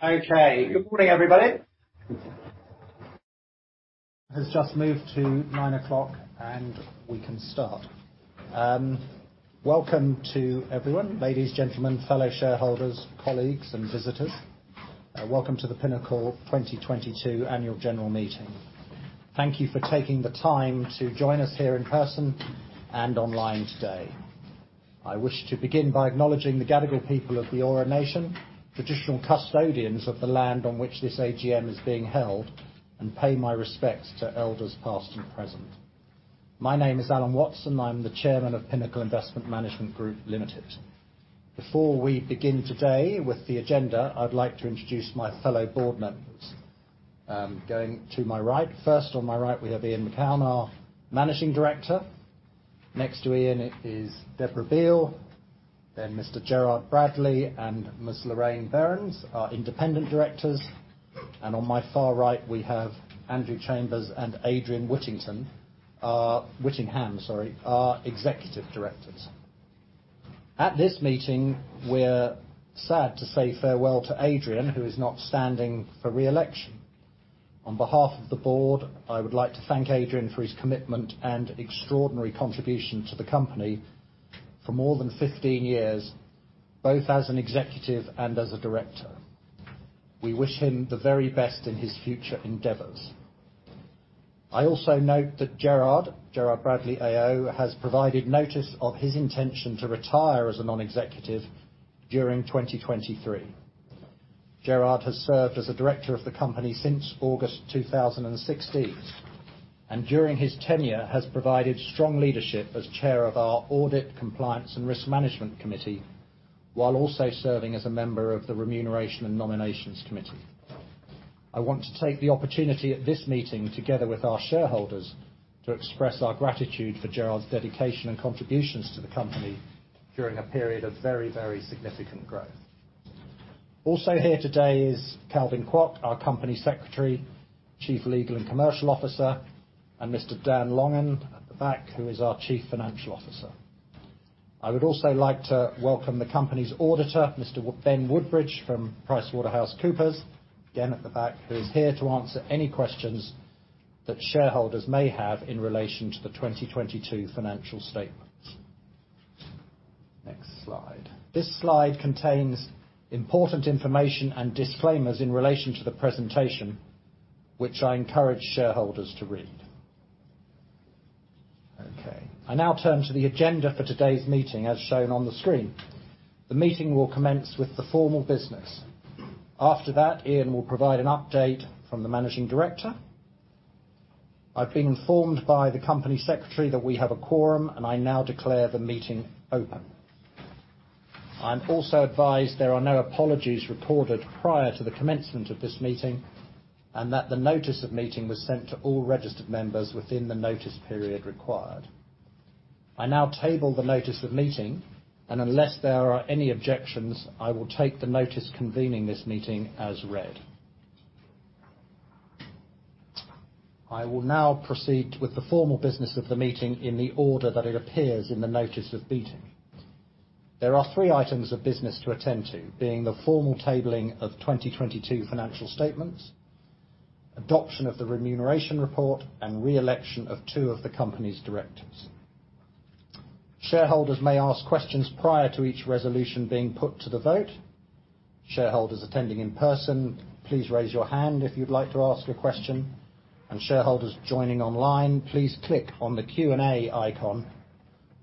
Okay. Good morning, everybody. It has just moved to 9:00 A.M., and we can start. Welcome to everyone, ladies, gentlemen, fellow shareholders, colleagues, and visitors. Welcome to the Pinnacle 2022 Annual General Meeting. Thank you for taking the time to join us here in person and online today. I wish to begin by acknowledging the Gadigal people of the Eora nation, traditional custodians of the land on which this AGM is being held, and pay my respects to elders past and present. My name is Alan Watson. I'm the Chairman of Pinnacle Investment Management Group Limited. Before we begin today with the agenda, I'd like to introduce my fellow board members. Going to my right. First on my right, we have Ian Macoun, our Managing Director. Next to Ian is Deborah Beale, then Mr. Gerard Bradley and Ms. Lorraine Berends, our Independent Directors. On my far right, we have Andrew Chambers and Adrian Whittingham, sorry, our Executive Directors. At this meeting, we're sad to say farewell to Adrian, who is not standing for re-election. On behalf of the board, I would like to thank Adrian for his commitment and extraordinary contribution to the company for more than 15 years, both as an executive and as a director. We wish him the very best in his future endeavors. I also note that Gerard Bradley AO, has provided notice of his intention to retire as a non-executive during 2023. Gerard has served as a director of the company since August 2016, and during his tenure has provided strong leadership as chair of our audit, compliance, and risk management committee, while also serving as a member of the remuneration and nominations committee. I want to take the opportunity at this meeting, together with our shareholders, to express our gratitude for Gerard's dedication and contributions to the company during a period of very, very significant growth. Also here today is Calvin Kwok, our Company Secretary, Chief Legal and Commercial Officer, and Mr. Dan Longan at the back, who is our Chief Financial Officer. I would also like to welcome the company's auditor, Mr. Ben Woodbridge from PricewaterhouseCoopers, again, at the back, who is here to answer any questions that shareholders may have in relation to the 2022 financial statements. Next slide. This slide contains important information and disclaimers in relation to the presentation, which I encourage shareholders to read. Okay. I now turn to the agenda for today's meeting, as shown on the screen. The meeting will commence with the formal business. After that, Ian will provide an update from the Managing Director. I've been informed by the company secretary that we have a quorum, and I now declare the meeting open. I'm also advised there are no apologies recorded prior to the commencement of this meeting, and that the notice of meeting was sent to all registered members within the notice period required. I now table the notice of meeting, and unless there are any objections, I will take the notice convening this meeting as read. I will now proceed with the formal business of the meeting in the order that it appears in the notice of meeting. There are three items of business to attend to, being the formal tabling of 2022 financial statements, adoption of the remuneration report, and re-election of two of the company's directors. Shareholders may ask questions prior to each resolution being put to the vote. Shareholders attending in person, please raise your hand if you'd like to ask a question. Shareholders joining online, please click on the Q&A icon,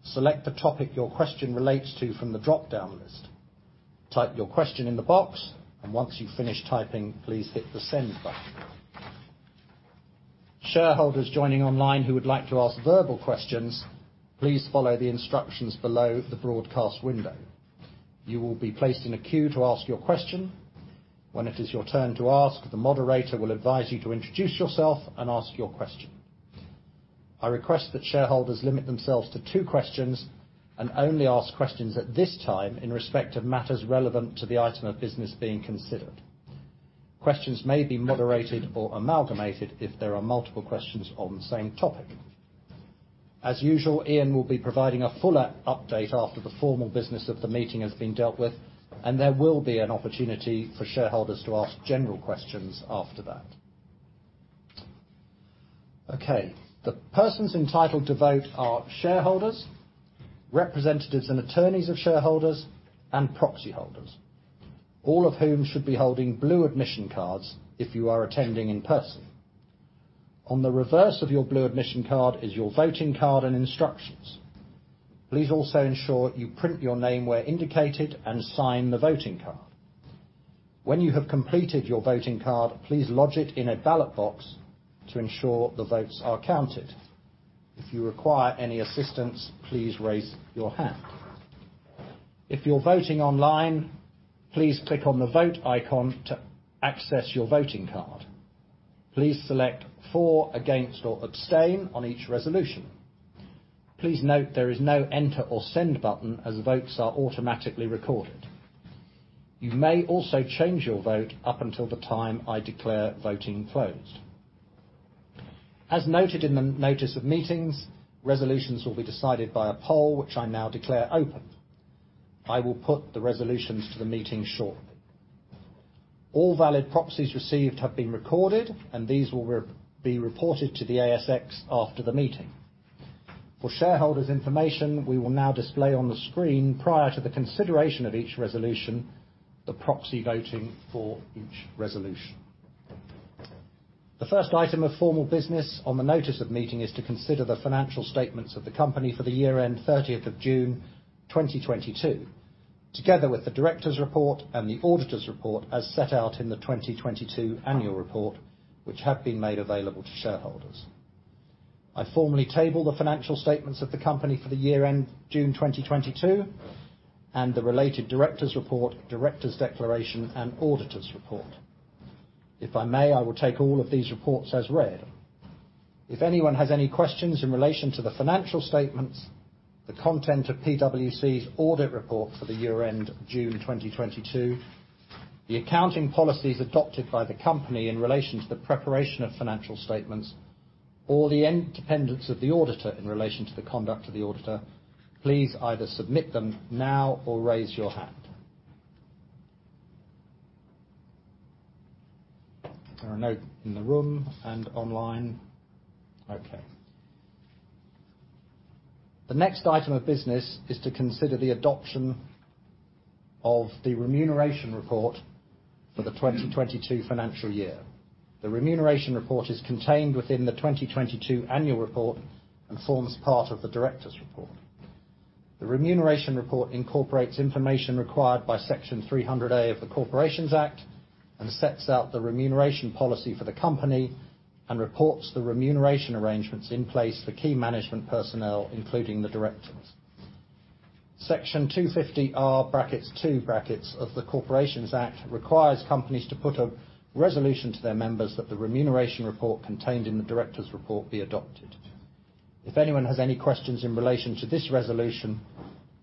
select the topic your question relates to from the dropdown list, type your question in the box, and once you've finished typing, please hit the Send button. Shareholders joining online who would like to ask verbal questions, please follow the instructions below the broadcast window. You will be placed in a queue to ask your question. When it is your turn to ask, the moderator will advise you to introduce yourself and ask your question. I request that shareholders limit themselves to two questions and only ask questions at this time in respect of matters relevant to the item of business being considered. Questions may be moderated or amalgamated if there are multiple questions on the same topic. As usual, Ian will be providing a fuller update after the formal business of the meeting has been dealt with, and there will be an opportunity for shareholders to ask general questions after that. Okay. The persons entitled to vote are shareholders, representatives and attorneys of shareholders, and proxy holders, all of whom should be holding blue admission cards if you are attending in person. On the reverse of your blue admission card is your voting card and instructions. Please also ensure you print your name where indicated and sign the voting card. When you have completed your voting card, please lodge it in a ballot box to ensure the votes are counted. If you require any assistance, please raise your hand. If you're voting online, please click on the Vote icon to access your voting card. Please select For, Against, or Abstain on each resolution. Please note there is no Enter or Send button as votes are automatically recorded. You may also change your vote up until the time I declare voting closed. As noted in the notice of meetings, resolutions will be decided by a poll, which I now declare open. I will put the resolutions to the meeting shortly. All valid proxies received have been recorded and these will be reported to the ASX after the meeting. For shareholders' information, we will now display on the screen prior to the consideration of each resolution, the proxy voting for each resolution. The first item of formal business on the notice of meeting is to consider the financial statements of the company for the year ended June 30th 2022, together with the directors' report and the auditors' report as set out in the 2022 annual report, which have been made available to shareholders. I formally table the financial statements of the company for the year ended June 2022, and the related directors' report, directors' declaration, and auditors' report. If I may, I will take all of these reports as read. If anyone has any questions in relation to the financial statements, the content of PwC's audit report for the year end June 2022, the accounting policies adopted by the company in relation to the preparation of financial statements, or the independence of the auditor in relation to the conduct of the auditor, please either submit them now or raise your hand. There are none in the room and online. Okay. The next item of business is to consider the adoption of the remuneration report for the 2022 financial year. The remuneration report is contained within the 2022 annual report and forms part of the directors' report. The remuneration report incorporates information required by Section 300A of the Corporations Act, and sets out the remuneration policy for the company and reports the remuneration arrangements in place for key management personnel, including the directors. Section 250R(2) of the Corporations Act requires companies to put a resolution to their members that the remuneration report contained in the directors' report be adopted. If anyone has any questions in relation to this resolution,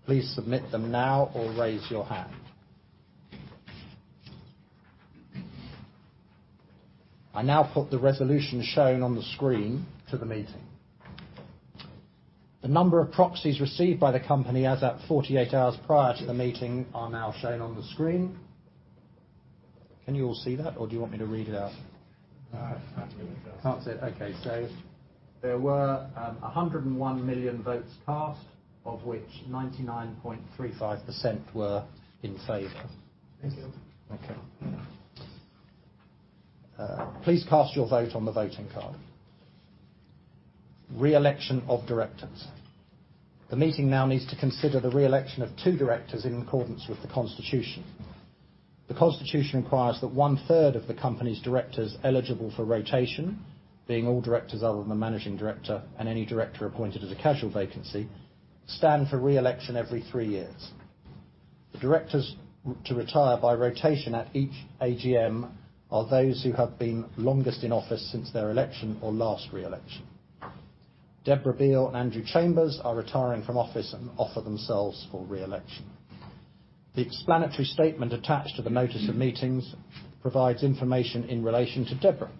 please submit them now or raise your hand. I now put the resolution shown on the screen to the meeting. The number of proxies received by the company as at 48 hours prior to the meeting are now shown on the screen. Can you all see that or do you want me to read it out? No, that's good. Can't see it. Okay. There were 101 million votes cast, of which 99.35% were in favor. Thank you. Okay. Please cast your vote on the voting card. Re-election of directors. The meeting now needs to consider the re-election of two directors in accordance with the constitution. The constitution requires that one-third of the company's directors eligible for rotation, being all directors other than the Managing Director and any director appointed as a casual vacancy, stand for re-election every three years. The directors to retire by rotation at each AGM are those who have been longest in office since their election or last re-election. Deborah Beale and Andrew Chambers are retiring from office and offer themselves for re-election. The explanatory statement attached to the notice of meetings provides information in relation to Deborah.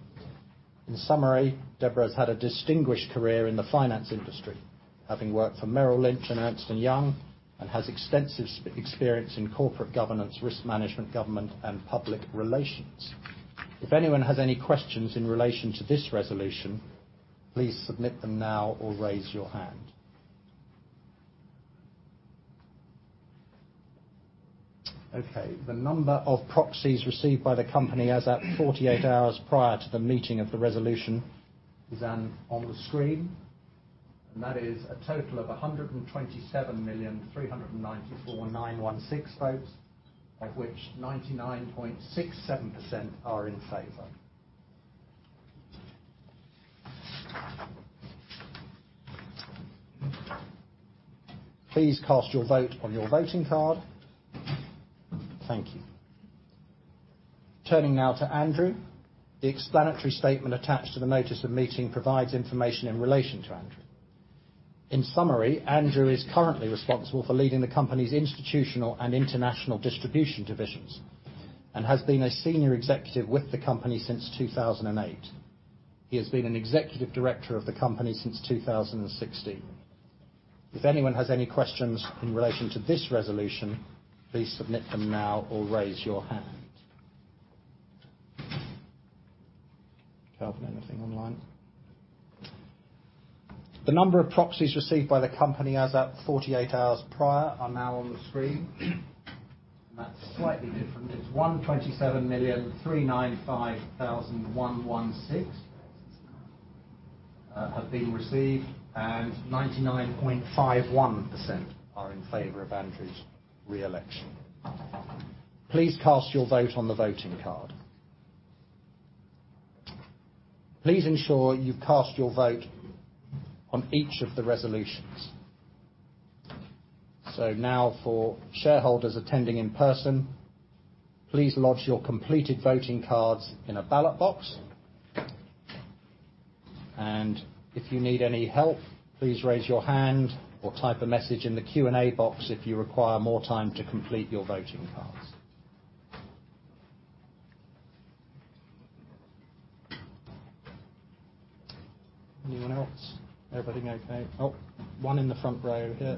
In summary, Deborah has had a distinguished career in the finance industry, having worked for Merrill Lynch and Ernst & Young, and has extensive experience in corporate governance, risk management, government, and public relations. If anyone has any questions in relation to this resolution, please submit them now or raise your hand. Okay, the number of proxies received by the company as at 48 hours prior to the meeting of the resolution is on the screen, and that is a total of 127,394,916 votes, of which 99.67% are in favor. Please cast your vote on your voting card. Thank you. Turning now to Andrew. The explanatory statement attached to the notice of meeting provides information in relation to Andrew. In summary, Andrew is currently responsible for leading the company's institutional and international distribution divisions and has been a senior executive with the company since 2008. He has been an executive director of the company since 2016. If anyone has any questions in relation to this resolution, please submit them now or raise your hand. Calvin, anything online? The number of proxies received by the company as at 48 hours prior are now on the screen, and that's slightly different. It's 127,395,116 have been received, and 99.51% are in favor of Andrew's re-election. Please cast your vote on the voting card. Please ensure you cast your vote on each of the resolutions. Now for shareholders attending in person, please lodge your completed voting cards in a ballot box. If you need any help, please raise your hand or type a message in the Q&A box if you require more time to complete your voting cards. Anyone else? Everybody okay? Oh, one in the front row here.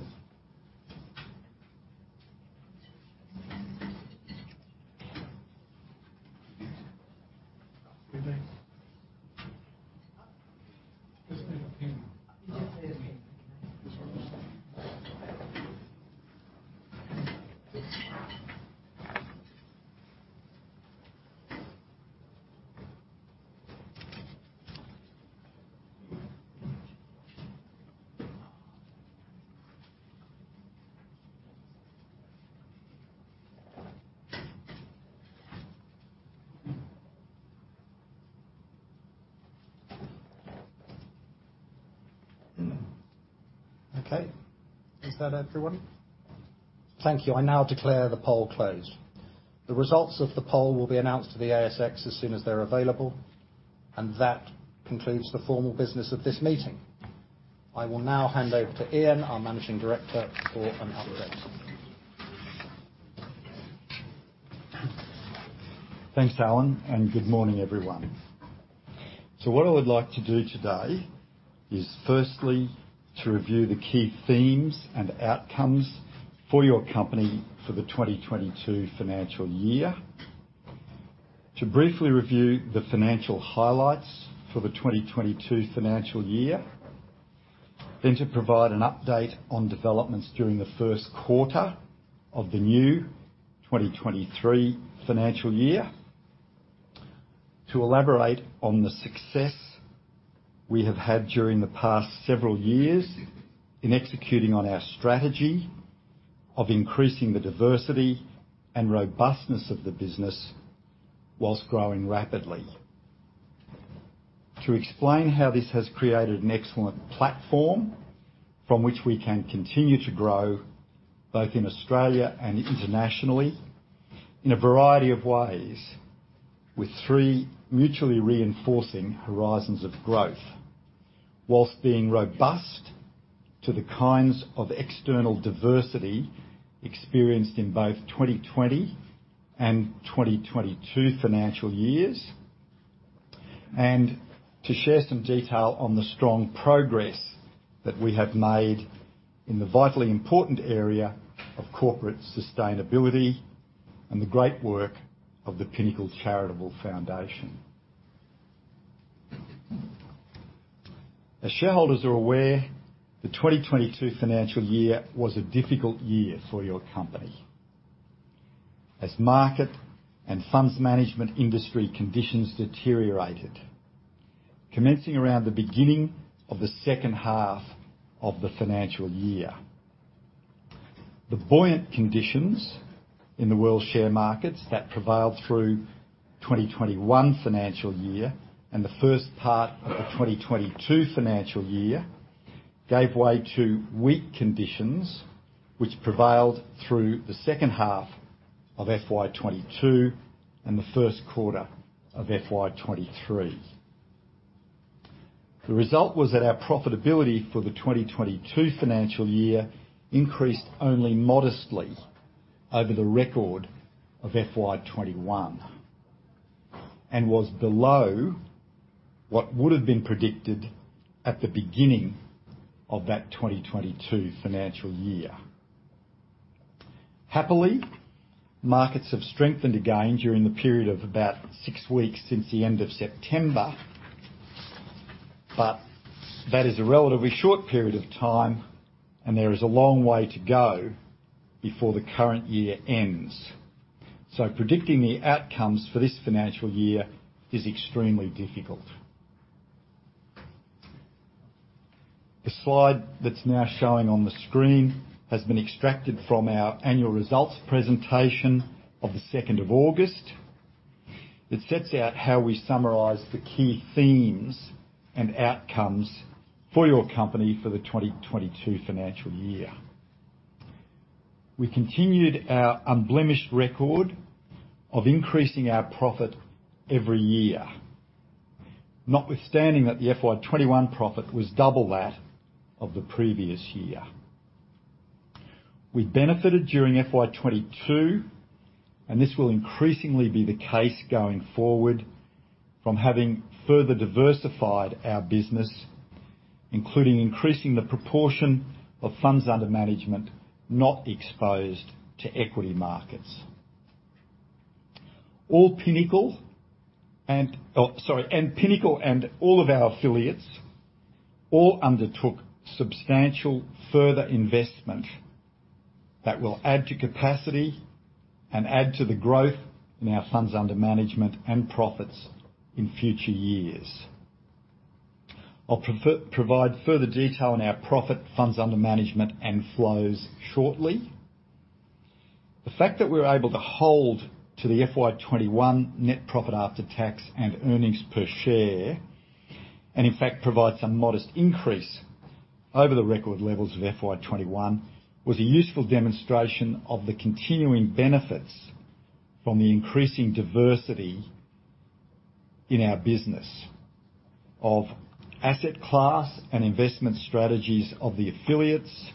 Okay, is that everyone? Thank you. I now declare the poll closed. The results of the poll will be announced to the ASX as soon as they're available, and that concludes the formal business of this meeting. I will now hand over to Ian, our Managing Director, for an update. Thanks, Alan, and good morning, everyone. What I would like to do today is firstly, to review the key themes and outcomes for your company for the 2022 financial year. To briefly review the financial highlights for the 2022 financial year. To provide an update on developments during the first quarter of the new 2023 financial year. To elaborate on the success we have had during the past several years in executing on our strategy of increasing the diversity and robustness of the business while growing rapidly. To explain how this has created an excellent platform from which we can continue to grow both in Australia and internationally in a variety of ways, with three mutually reinforcing horizons of growth, while being robust to the kinds of external adversity experienced in both 2020 and 2022 financial years. To share some detail on the strong progress that we have made in the vitally important area of corporate sustainability and the great work of the Pinnacle Charitable Foundation. As shareholders are aware, the 2022 financial year was a difficult year for your company as market and funds management industry conditions deteriorated, commencing around the beginning of the second half of the financial year. The buoyant conditions in the world share markets that prevailed through 2021 financial year and the first part of the 2022 financial year, gave way to weak conditions which prevailed through the second half of FY 2022 and the first quarter of FY 2023. The result was that our profitability for the 2022 financial year increased only modestly over the record of FY 2021 and was below what would have been predicted at the beginning of that 2022 financial year. Happily, markets have strengthened again during the period of about six weeks since the end of September, but that is a relatively short period of time and there is a long way to go before the current year ends. Predicting the outcomes for this financial year is extremely difficult. The slide that's now showing on the screen has been extracted from our annual results presentation of August 2. It sets out how we summarize the key themes and outcomes for your company for the 2022 financial year. We continued our unblemished record of increasing our profit every year, notwithstanding that the FY 2021 profit was double that of the previous year. We benefited during FY 2022, and this will increasingly be the case going forward from having further diversified our business, including increasing the proportion of funds under management not exposed to equity markets. Pinnacle and all of our affiliates undertook substantial further investment that will add to capacity and add to the growth in our funds under management and profits in future years. Provide further detail on our profits, funds under management and flows shortly. The fact that we were able to hold to the FY 2021 net profit after tax and earnings per share, and in fact provide some modest increase over the record levels of FY 2021, was a useful demonstration of the continuing benefits from the increasing diversity in our business of asset class and investment strategies of the affiliates,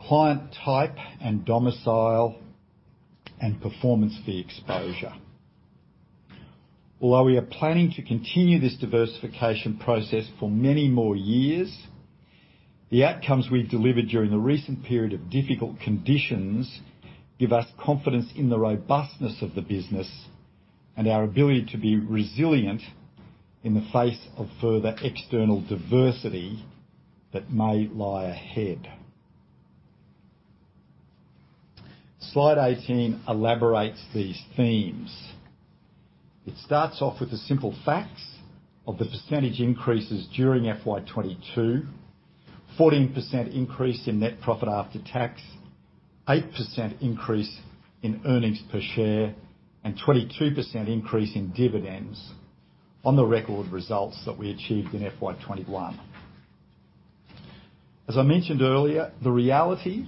client type and domicile, and performance fee exposure. Although we are planning to continue this diversification process for many more years, the outcomes we've delivered during the recent period of difficult conditions give us confidence in the robustness of the business and our ability to be resilient in the face of further external adversity that may lie ahead. Slide 18 elaborates these themes. It starts off with the simple facts of the percentage increases during FY 2022, 14% increase in net profit after tax, 8% increase in earnings per share, and 22% increase in dividends on the record results that we achieved in FY 2021. As I mentioned earlier, the reality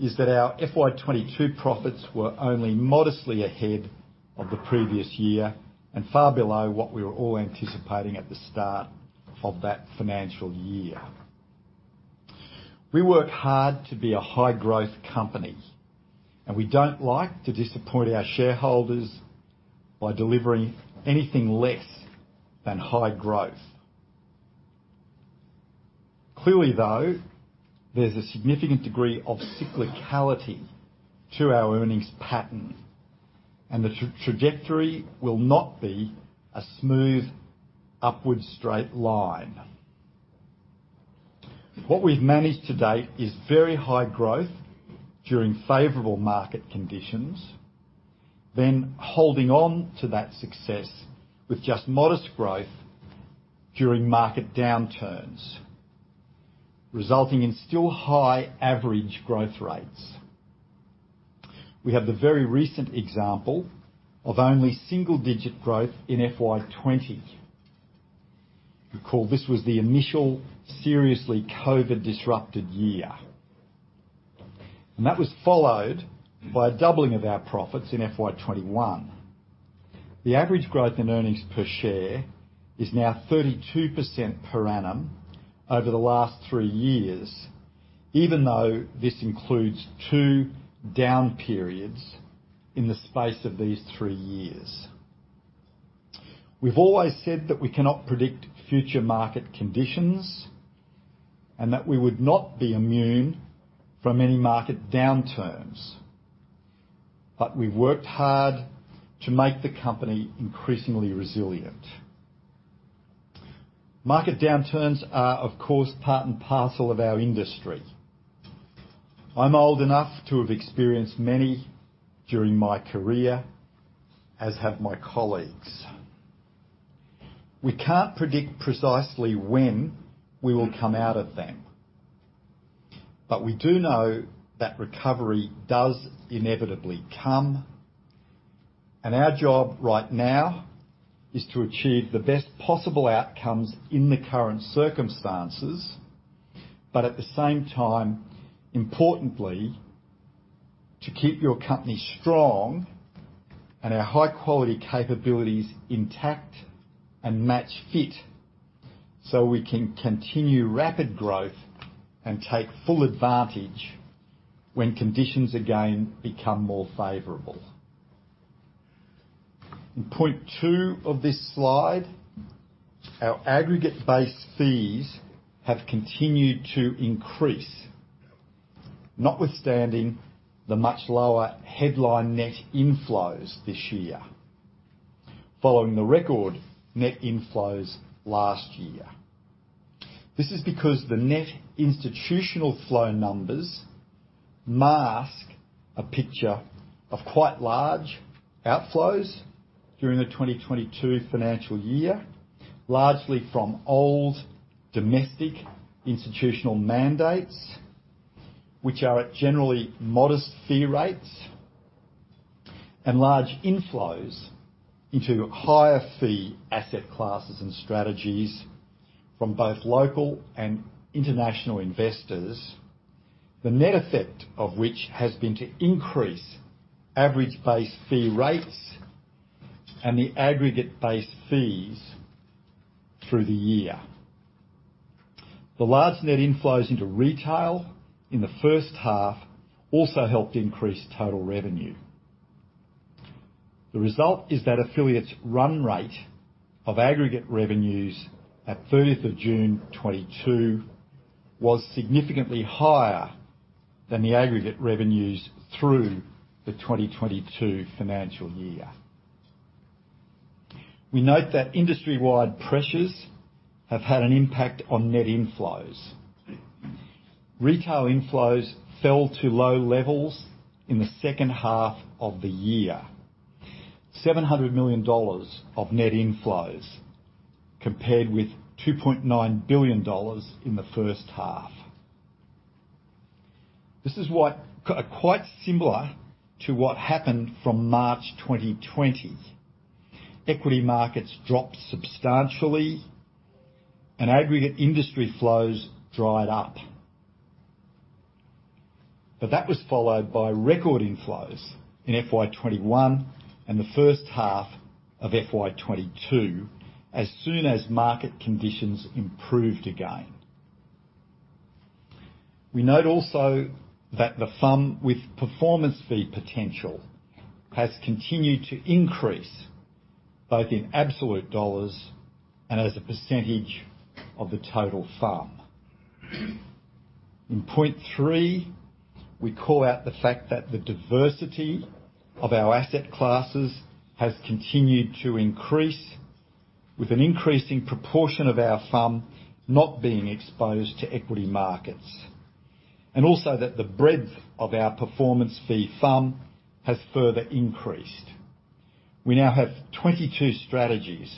is that our FY 2022 profits were only modestly ahead of the previous year and far below what we were all anticipating at the start of that financial year. We work hard to be a high-growth company, and we don't like to disappoint our shareholders by delivering anything less than high growth. Clearly, though, there's a significant degree of cyclicality to our earnings pattern, and the trajectory will not be a smooth upward straight line. What we've managed to date is very high growth during favorable market conditions, then holding on to that success with just modest growth during market downturns, resulting in still high average growth rates. We have the very recent example of only single-digit growth in FY 2020. Recall, this was the initial seriously COVID-disrupted year, and that was followed by a doubling of our profits in FY 2021. The average growth in earnings per share is now 32% per annum over the last three years, even though this includes two down periods in the space of these three years. We've always said that we cannot predict future market conditions and that we would not be immune from any market downturns. We've worked hard to make the company increasingly resilient. Market downturns are, of course, part and parcel of our industry. I'm old enough to have experienced many during my career, as have my colleagues. We can't predict precisely when we will come out of them, but we do know that recovery does inevitably come, and our job right now is to achieve the best possible outcomes in the current circumstances. At the same time, importantly, to keep your company strong and our high-quality capabilities intact and match fit, so we can continue rapid growth and take full advantage when conditions again become more favorable. In point two of this slide, our aggregate base fees have continued to increase notwithstanding the much lower headline net inflows this year, following the record net inflows last year. This is because the net institutional flow numbers mask a picture of quite large outflows during the 2022 financial year, largely from old domestic institutional mandates, which are at generally modest fee rates and large inflows into higher fee asset classes and strategies from both local and international investors, the net effect of which has been to increase average base fee rates and the aggregate base fees through the year. The large net inflows into retail in the first half also helped increase total revenue. The result is that affiliates' run rate of aggregate revenues at of June 30th 2022 was significantly higher than the aggregate revenues through the 2022 financial year. We note that industry-wide pressures have had an impact on net inflows. Retail inflows fell to low levels in the second half of the year. 700 million dollars of net inflows compared with 2.9 billion dollars in the first half. This is quite similar to what happened from March 2020. Equity markets dropped substantially and aggregate industry flows dried up. That was followed by record inflows in FY 2021 and the first half of FY 2022 as soon as market conditions improved again. We note also that the FUM with performance fee potential has continued to increase both in absolute dollars and as a percentage of the total FUM. In point three, we call out the fact that the diversity of our asset classes has continued to increase with an increasing proportion of our FUM not being exposed to equity markets, and also that the breadth of our performance fee FUM has further increased. We now have 22 strategies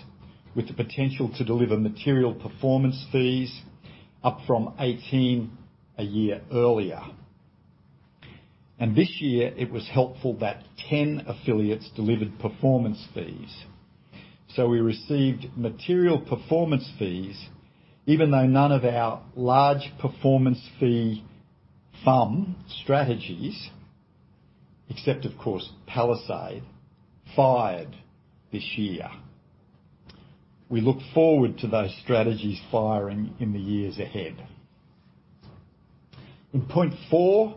with the potential to deliver material performance fees up from 18 a year earlier. This year it was helpful that 10 affiliates delivered performance fees. We received material performance fees even though none of our large performance fee FUM strategies, except of course Palisade, fired this year. We look forward to those strategies firing in the years ahead. In point four,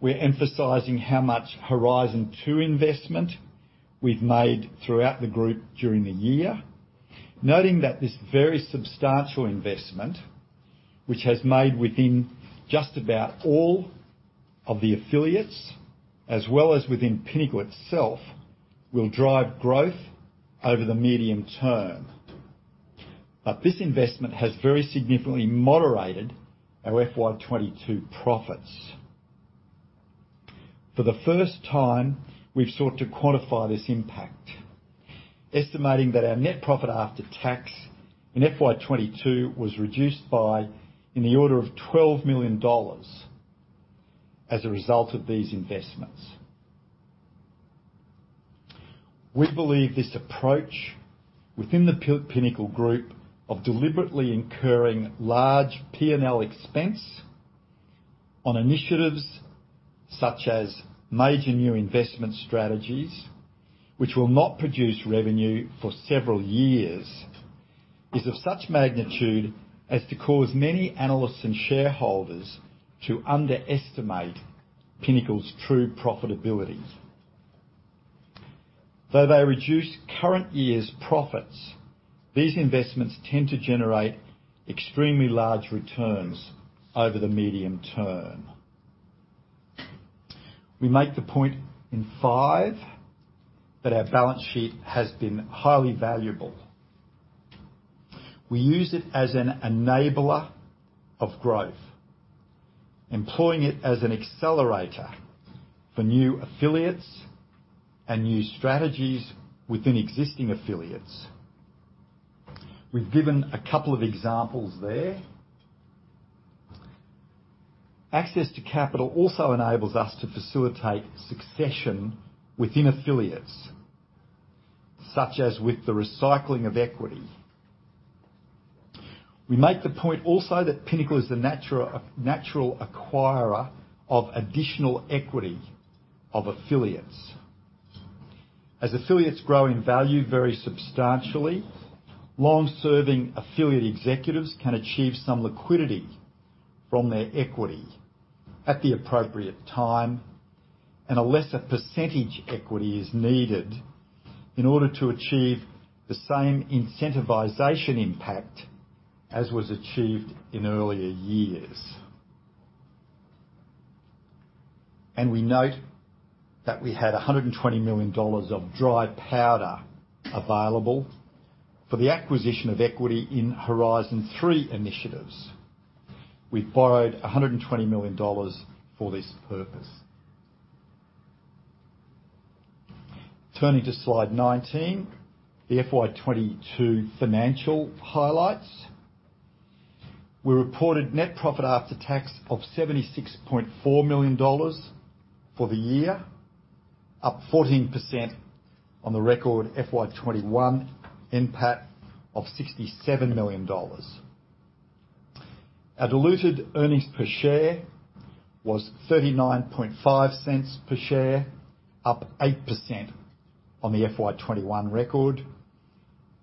we're emphasizing how much Horizon 2 investment we've made throughout the group during the year, noting that this very substantial investment, which has been made within just about all of the affiliates as well as within Pinnacle itself, will drive growth over the medium term. This investment has very significantly moderated our FY 2022 profits. For the first time, we've sought to quantify this impact, estimating that our net profit after tax in FY 2022 was reduced by, in the order of 12 million dollars as a result of these investments. We believe this approach within the Pinnacle Group of deliberately incurring large P&L expense on initiatives such as major new investment strategies which will not produce revenue for several years, is of such magnitude as to cause many analysts and shareholders to underestimate Pinnacle's true profitability. Though they reduce current year's profits, these investments tend to generate extremely large returns over the medium term. We make the point in five that our balance sheet has been highly valuable. We use it as an enabler of growth, employing it as an accelerator for new affiliates and new strategies within existing affiliates. We've given a couple of examples there. Access to capital also enables us to facilitate succession within affiliates, such as with the recycling of equity. We make the point also that Pinnacle is the natural acquirer of additional equity of affiliates. As affiliates grow in value very substantially, long-serving affiliate executives can achieve some liquidity from their equity at the appropriate time, and a lesser percentage equity is needed in order to achieve the same incentivization impact as was achieved in earlier years. We note that we had 120 million dollars of dry powder available for the acquisition of equity in Horizon 3 initiatives. We've borrowed 120 million dollars for this purpose. Turning to slide 19, the FY 2022 financial highlights. We reported net profit after tax of 76.4 million dollars for the year, up 14% on the record FY 2021 NPAT of 67 million dollars. Our diluted earnings per share was 0.395 per share, up 8% on the FY 2021 record,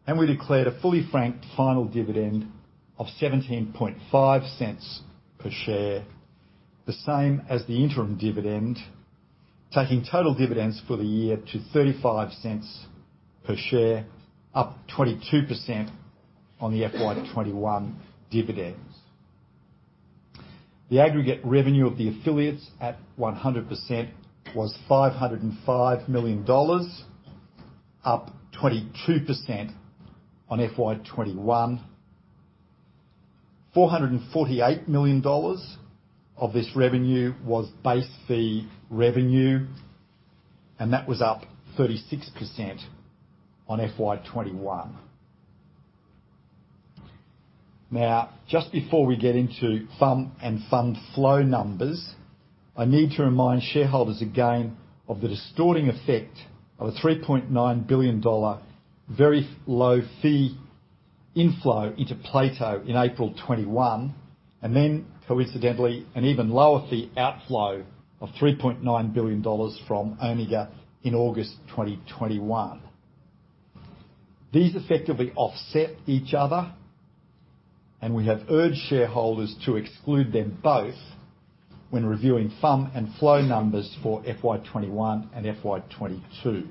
and we declared a fully franked final dividend of 0.175 per share, the same as the interim dividend, taking total dividends for the year to 0.35 per share, up 22% on the FY 2021 dividends. The aggregate revenue of the affiliates at 100% was 505 million dollars, up 22% on FY 2021. 448 million dollars of this revenue was base fee revenue, and that was up 36% on FY 2021. Now, just before we get into FUM and fund flow numbers, I need to remind shareholders again of the distorting effect of a 3.9 billion dollar very low-fee inflow into Plato in April 2021, and then coincidentally, an even lower fee outflow of 3.9 billion dollars from Omega in August 2021. These effectively offset each other, and we have urged shareholders to exclude them both when reviewing FUM and flow numbers for FY 2021 and FY 2022.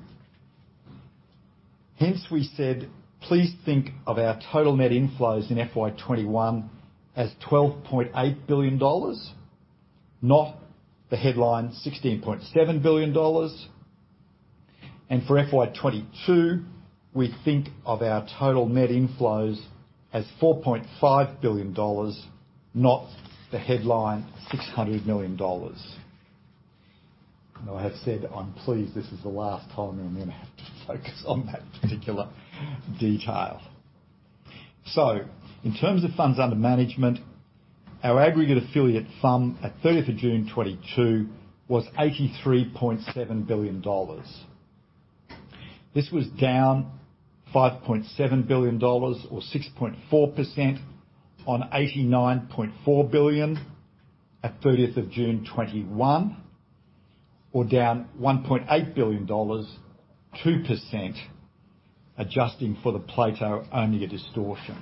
Hence, we said, please think of our total net inflows in FY 2021 as 12.8 billion dollars, not the headline 16.7 billion dollars. For FY 2022, we think of our total net inflows as 4.5 billion dollars, not the headline 600 million dollars. I have said I'm pleased this is the last time I'm gonna have to focus on that particular detail. In terms of funds under management, our aggregate affiliate FUM at June 30th 2022 was 83.7 billion dollars. This was down 5.7 billion dollars or 6.4% on 89.4 billion at June 30th 2021, or down 1.8 billion dollars, 2%, adjusting for the Plato Omega distortion.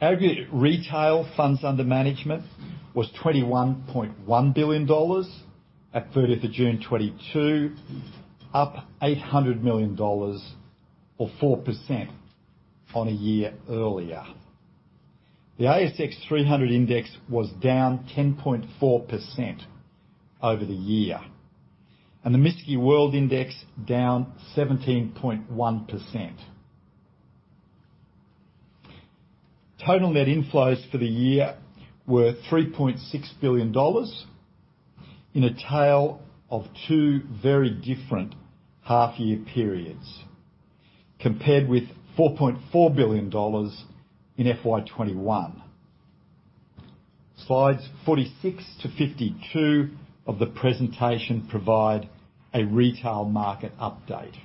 Aggregate retail funds under management was 21.1 billion dollars at 30th June 2022, up 800 million dollars or 4% on a year earlier. The ASX 300 Index was down 10.4% over the year, and the MSCI World Index down 17.1%. Total net inflows for the year were 3.6 billion dollars in a tale of two very different half year periods, compared with AUD 4.4 billion in FY 2021. Slides 46 to 52 of the presentation provide a retail market update.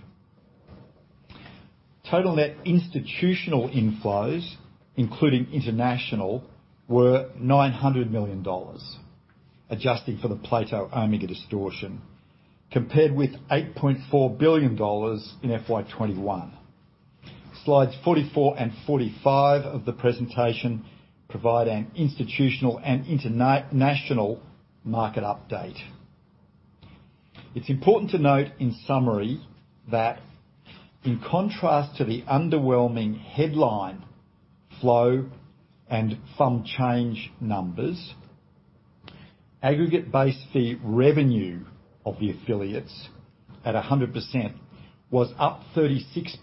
Total net institutional inflows, including international, were 900 million dollars, adjusting for the Plato Omega distortion, compared with 8.4 billion dollars in FY 2021. Slides 44 and 45 of the presentation provide an institutional and international market update. It's important to note in summary that in contrast to the underwhelming headline flow and FUM change numbers, aggregate base fee revenue of the affiliates at 100% was up 36%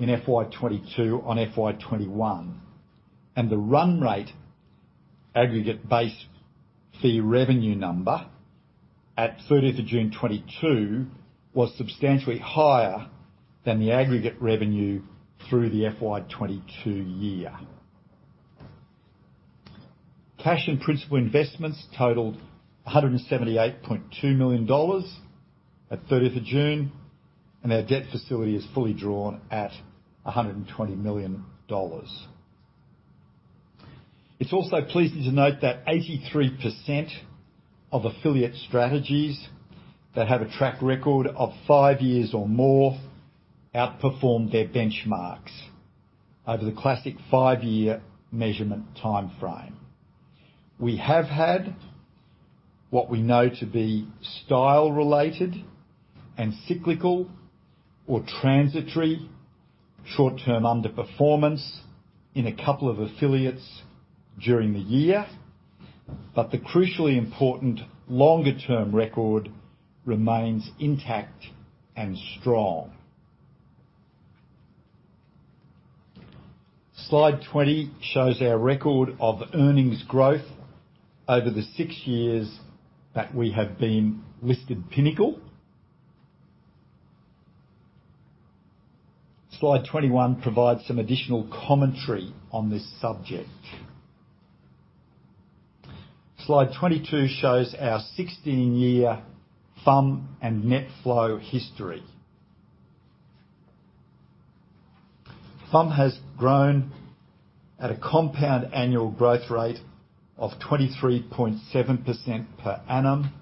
in FY 2022 on FY 2021, and the run rate aggregate base fee revenue number at June 30th 2022 was substantially higher than the aggregate revenue through the FY 2022 year. Cash and principal investments totaled AUD 178.2 million at June 30th, and our debt facility is fully drawn at AUD 120 million. It's also pleasing to note that 83% of affiliate strategies that have a track record of five-years or more outperformed their benchmarks over the classic five-year measurement timeframe. We have had what we know to be style related and cyclical or transitory short-term underperformance in a couple of affiliates during the year, but the crucially important longer-term record remains intact and strong. Slide 20 shows our record of earnings growth over the six years that we have been listed Pinnacle. Slide 21 provides some additional commentary on this subject. Slide 22 shows our 16-year FUM and net flow history. FUM has grown at a compound annual growth rate of 23.7% per annum.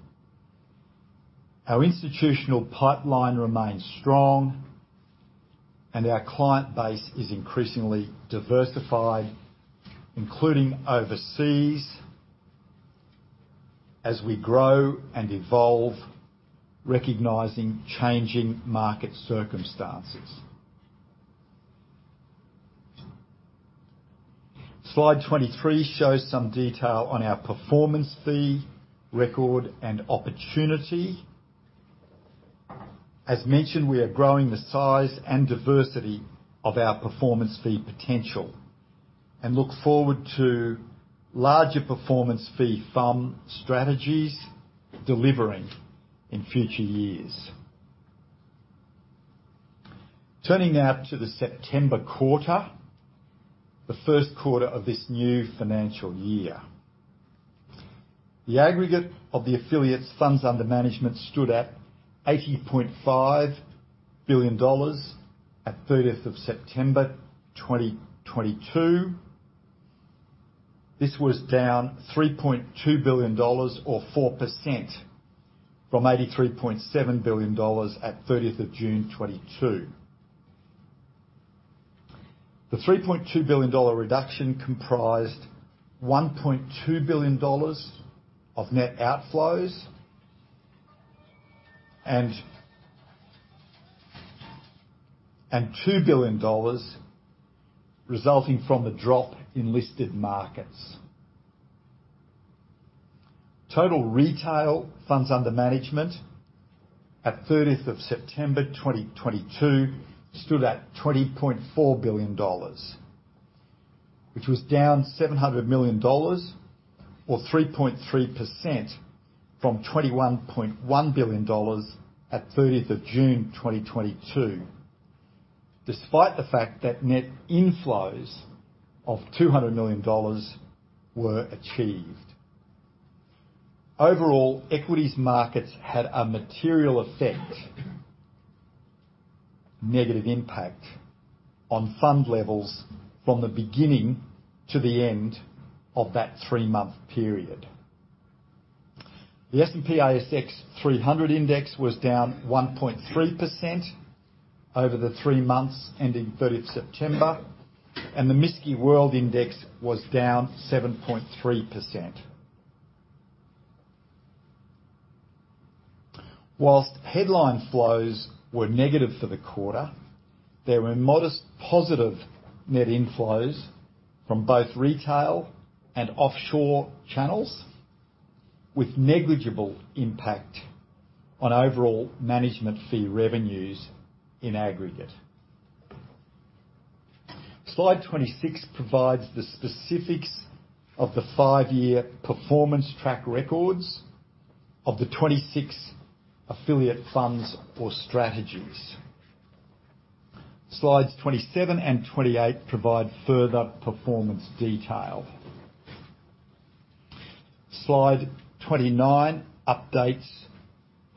Our institutional pipeline remains strong and our client base is increasingly diversified, including overseas, as we grow and evolve, recognizing changing market circumstances. Slide 23 shows some detail on our performance fee record and opportunity. As mentioned, we are growing the size and diversity of our performance fee potential and look forward to larger performance fee FUM strategies delivering in future years. Turning now to the September quarter, the first quarter of this new financial year. The aggregate of the affiliates funds under management stood at 80.5 billion dollars at September 30th, 2022. This was down 3.2 billion dollars or 4% from 83.7 billion dollars at June 30th, 2022. The 3.2 billion dollar reduction comprised 1.2 billion dollars of net outflows and 2 billion dollars resulting from the drop in listed markets. Total retail funds under management at September 30th 2022 stood at 20.4 billion dollars, which was down 700 million dollars or 3.3% from 21.1 billion dollars at June 30th, 2022, despite the fact that net inflows of 200 million dollars were achieved. Overall, equities markets had a material effect, negative impact on fund levels from the beginning to the end of that three-month period. The S&P/ASX 300 Index was down 1.3% over the three months ending September 3rd, and the MSCI World Index was down 7.3%. While headline flows were negative for the quarter, there were modest positive net inflows from both retail and offshore channels, with negligible impact on overall management fee revenues in aggregate. Slide 26 provides the specifics of the five-year performance track records of the 26 affiliate funds or strategies. Slides 27 and 28 provide further performance detail. Slide 29 updates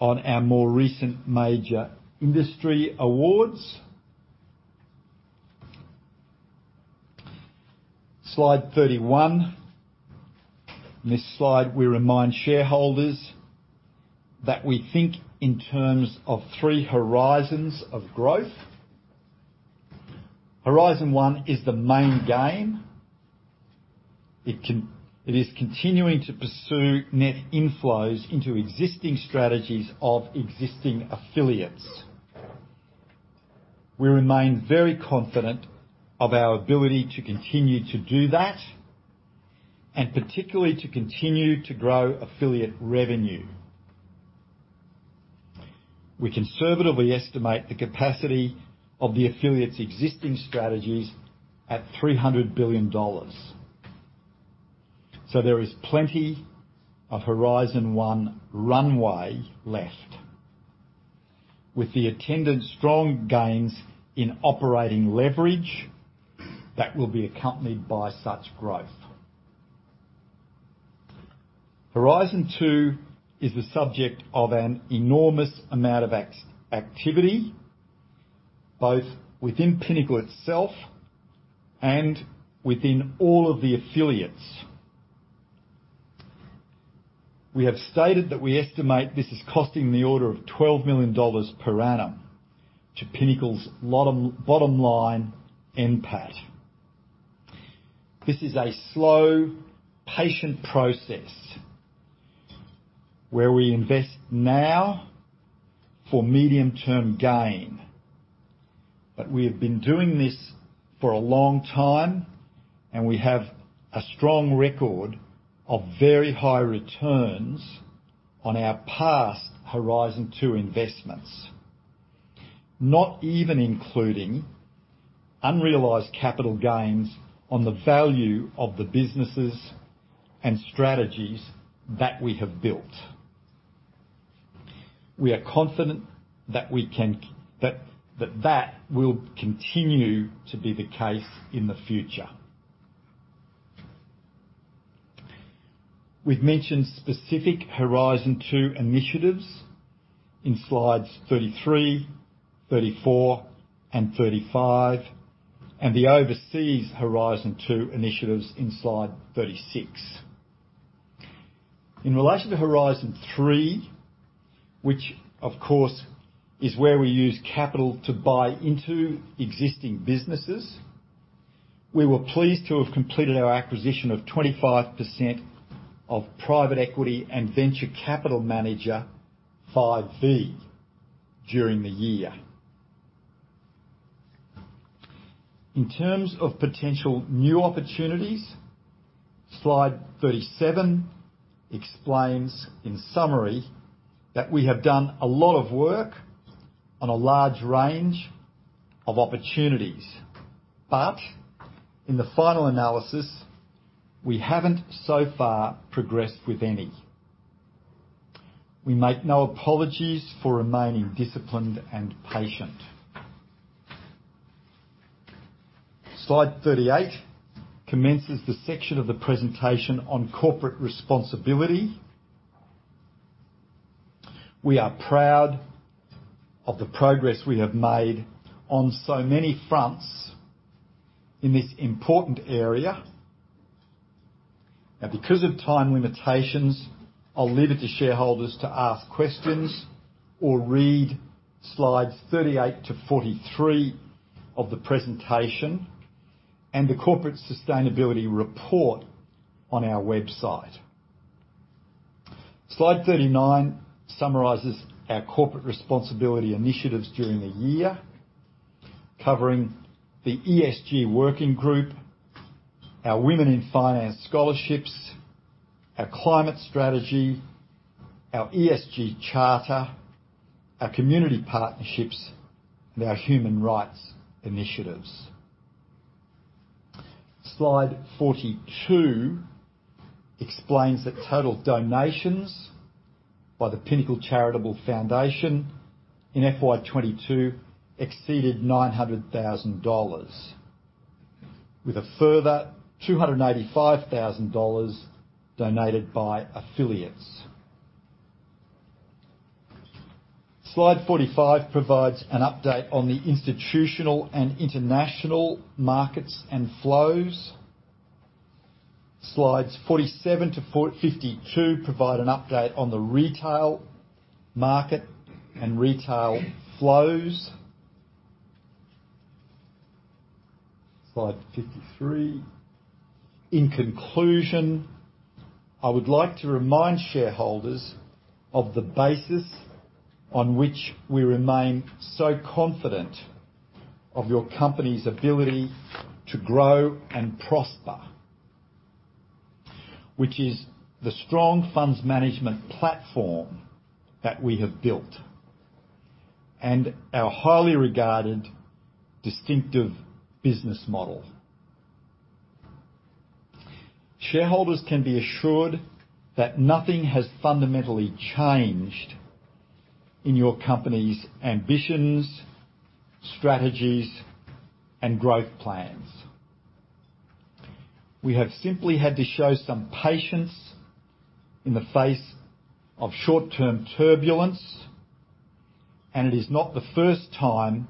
on our more recent major industry awards. Slide 31. In this slide, we remind shareholders that we think in terms of three horizons of growth. Horizon one is the main game. It is continuing to pursue net inflows into existing strategies of existing affiliates. We remain very confident of our ability to continue to do that and particularly to continue to grow affiliate revenue. We conservatively estimate the capacity of the affiliates existing strategies at 300 billion dollars. There is plenty of Horizon 1 runway left. With the attendant strong gains in operating leverage that will be accompanied by such growth. Horizon 2 is the subject of an enormous amount of activity, both within Pinnacle itself and within all of the affiliates. We have stated that we estimate this is costing the order of 12 million dollars per annum to Pinnacle's bottom line, NPAT. This is a slow, patient process where we invest now for medium-term gain. We have been doing this for a long time, and we have a strong record of very high returns on our past Horizon 2 investments, not even including unrealized capital gains on the value of the businesses and strategies that we have built. We are confident that will continue to be the case in the future. We've mentioned specific Horizon 2 initiatives in slides 33, 34, and 35, and the overseas Horizon 2 initiatives in slide 36. In relation to Horizon 3, which of course is where we use capital to buy into existing businesses, we were pleased to have completed our acquisition of 25% of private equity and venture capital manager Five V Capital during the year. In terms of potential new opportunities, slide 37 explains in summary that we have done a lot of work on a large range of opportunities. In the final analysis, we haven't so far progressed with any. We make no apologies for remaining disciplined and patient. Slide 38 commences the section of the presentation on corporate responsibility. We are proud of the progress we have made on so many fronts in this important area. Now, because of time limitations, I'll leave it to shareholders to ask questions or read slides 38 to 43 of the presentation and the corporate sustainability report on our website. Slide 39 summarizes our corporate responsibility initiatives during the year, covering the ESG working group, our Women in Finance scholarships, our climate strategy, our ESG charter, our community partnerships, and our human rights initiatives. Slide 42 explains that total donations by the Pinnacle Charitable Foundation in FY 2022 exceeded AUD 900,000, with a further AUD 285,000 donated by affiliates. Slide 45 provides an update on the institutional and international markets and flows. Slides 47 to 52 provide an update on the retail market and retail flows. Slide 53. In conclusion, I would like to remind shareholders of the basis on which we remain so confident of your company's ability to grow and prosper, which is the strong funds management platform that we have built and our highly regarded distinctive business model. Shareholders can be assured that nothing has fundamentally changed in your company's ambitions, strategies, and growth plans. We have simply had to show some patience in the face of short-term turbulence, and it is not the first time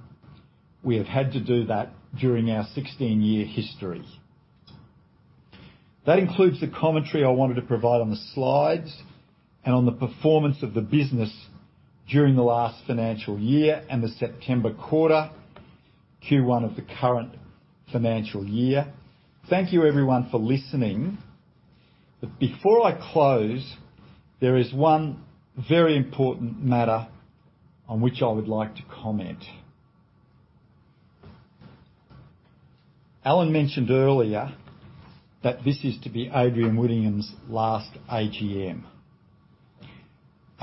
we have had to do that during our 16-year history. That includes the commentary I wanted to provide on the slides and on the performance of the business during the last financial year and the September quarter, Q1 of the current financial year. Thank you everyone for listening. Before I close, there is one very important matter on which I would like to comment. Alan mentioned earlier that this is to be Adrian Whittingham's last AGM.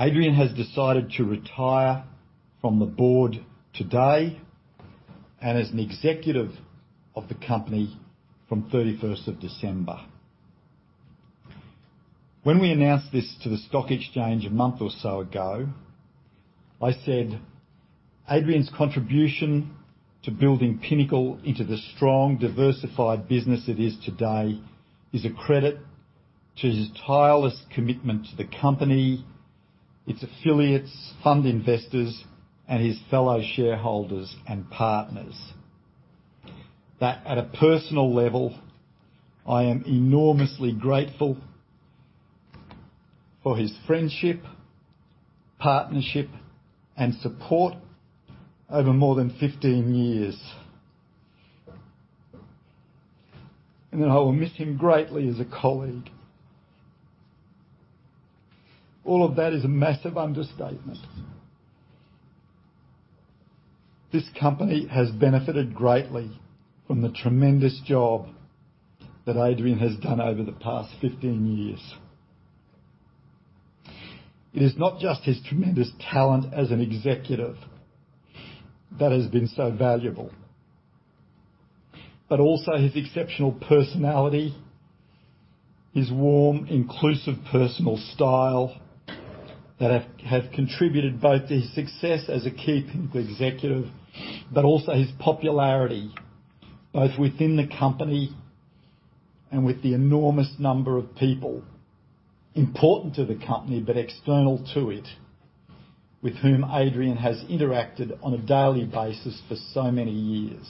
Adrian Whittingham has decided to retire from the board today and as an executive of the company from December 31st. When we announced this to the stock exchange a month or so ago, I said, "Adrian Whittingham's contribution to building Pinnacle into the strong, diversified business it is today is a credit to his tireless commitment to the company, its affiliates, fund investors, and his fellow shareholders and partners. That at a personal level, I am enormously grateful for his friendship, partnership, and support over more than 15 years. That I will miss him greatly as a colleague." All of that is a massive understatement. This company has benefited greatly from the tremendous job that Adrian has done over the past 15 years. It is not just his tremendous talent as an executive that has been so valuable, but also his exceptional personality, his warm, inclusive personal style that have contributed both to his success as a key Pinnacle executive, but also his popularity, both within the company and with the enormous number of people important to the company, but external to it, with whom Adrian has interacted on a daily basis for so many years.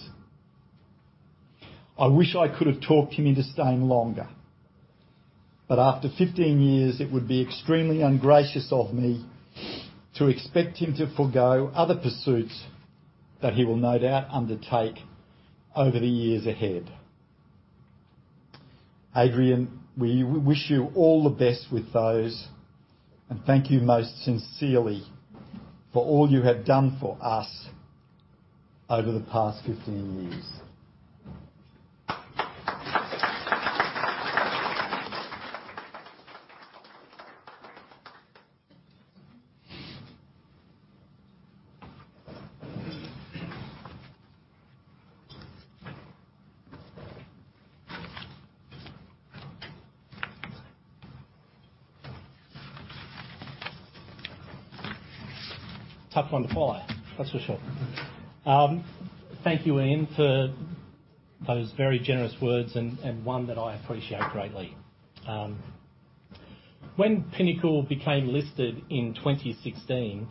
I wish I could have talked him into staying longer, but after 15 years, it would be extremely ungracious of me to expect him to forgo other pursuits that he will no doubt undertake over the years ahead. Adrian, we wish you all the best with those, and thank you most sincerely for all you have done for us over the past 15 years. Tough one to follow, that's for sure. Thank you, Ian, for those very generous words and one that I appreciate greatly. When Pinnacle became listed in 2016,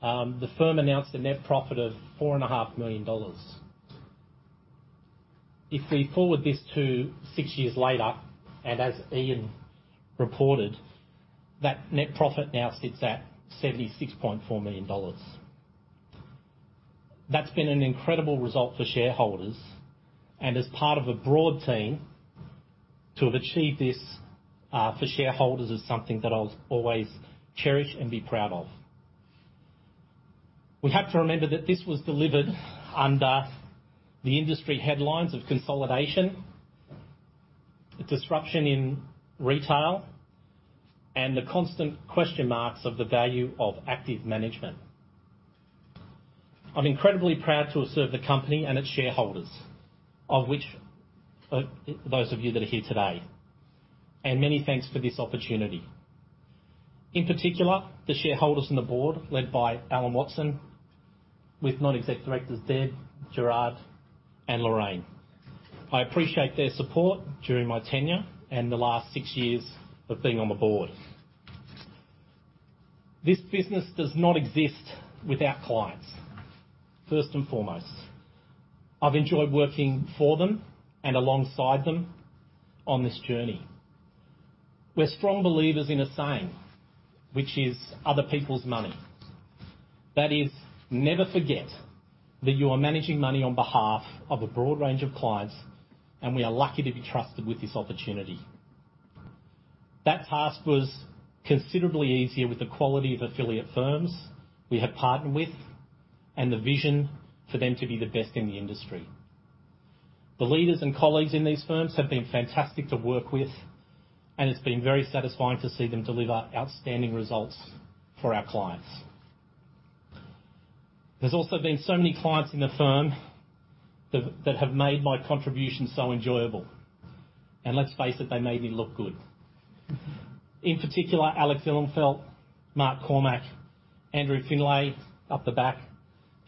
the firm announced a net profit of 4.5 million dollars. If we fast-forward this to six years later, and as Ian reported, that net profit now sits at 76.4 million dollars. That's been an incredible result for shareholders and as part of a broad team to have achieved this for shareholders is something that I'll always cherish and be proud of. We have to remember that this was delivered under the industry headlines of consolidation, disruption in retail, and the constant question marks of the value of active management. I'm incredibly proud to have served the company and its shareholders, of which, those of you that are here today, and many thanks for this opportunity. In particular, the shareholders and the board, led by Alan Watson with Non-Exec Directors Deb, Gerard, and Lorraine. I appreciate their support during my tenure and the last six years of being on the board. This business does not exist without clients, first and foremost. I've enjoyed working for them and alongside them on this journey. We're strong believers in a saying which is other people's money. That is, never forget that you are managing money on behalf of a broad range of clients, and we are lucky to be trusted with this opportunity. That task was considerably easier with the quality of affiliate firms we have partnered with and the vision for them to be the best in the industry. The leaders and colleagues in these firms have been fantastic to work with, and it's been very satisfying to see them deliver outstanding results for our clients. There's also been so many clients in the firm that have made my contribution so enjoyable. Let's face it, they made me look good. In particular, Alex Ihlenfeldt, Mark Cormack, Andrew Findlay up the back,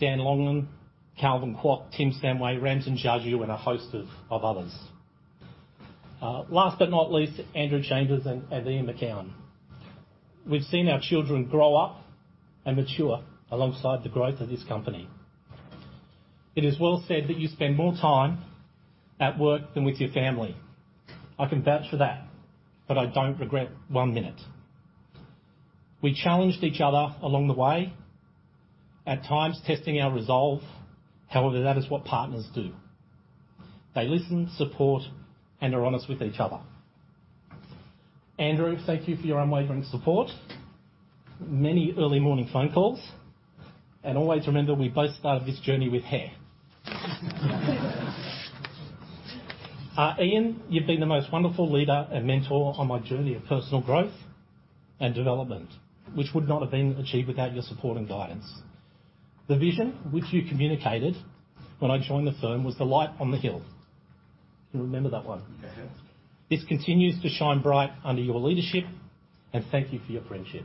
Dan Longan, Calvin Kwok, Tim Samway, Ramsin Jajoo, and a host of others. Last but not least, Andrew Chambers and Ian Macoun. We've seen our children grow up and mature alongside the growth of this company. It is well said that you spend more time at work than with your family. I can vouch for that, but I don't regret one minute. We challenged each other along the way, at times, testing our resolve. However, that is what partners do. They listen, support, and are honest with each other. Andrew, thank you for your unwavering support, many early morning phone calls, and always remember we both started this journey with hair. Ian, you've been the most wonderful leader and mentor on my journey of personal growth and development, which would not have been achieved without your support and guidance. The vision which you communicated when I joined the firm was the light on the hill. You remember that one? Mm-hmm. This continues to shine bright under your leadership, and thank you for your friendship.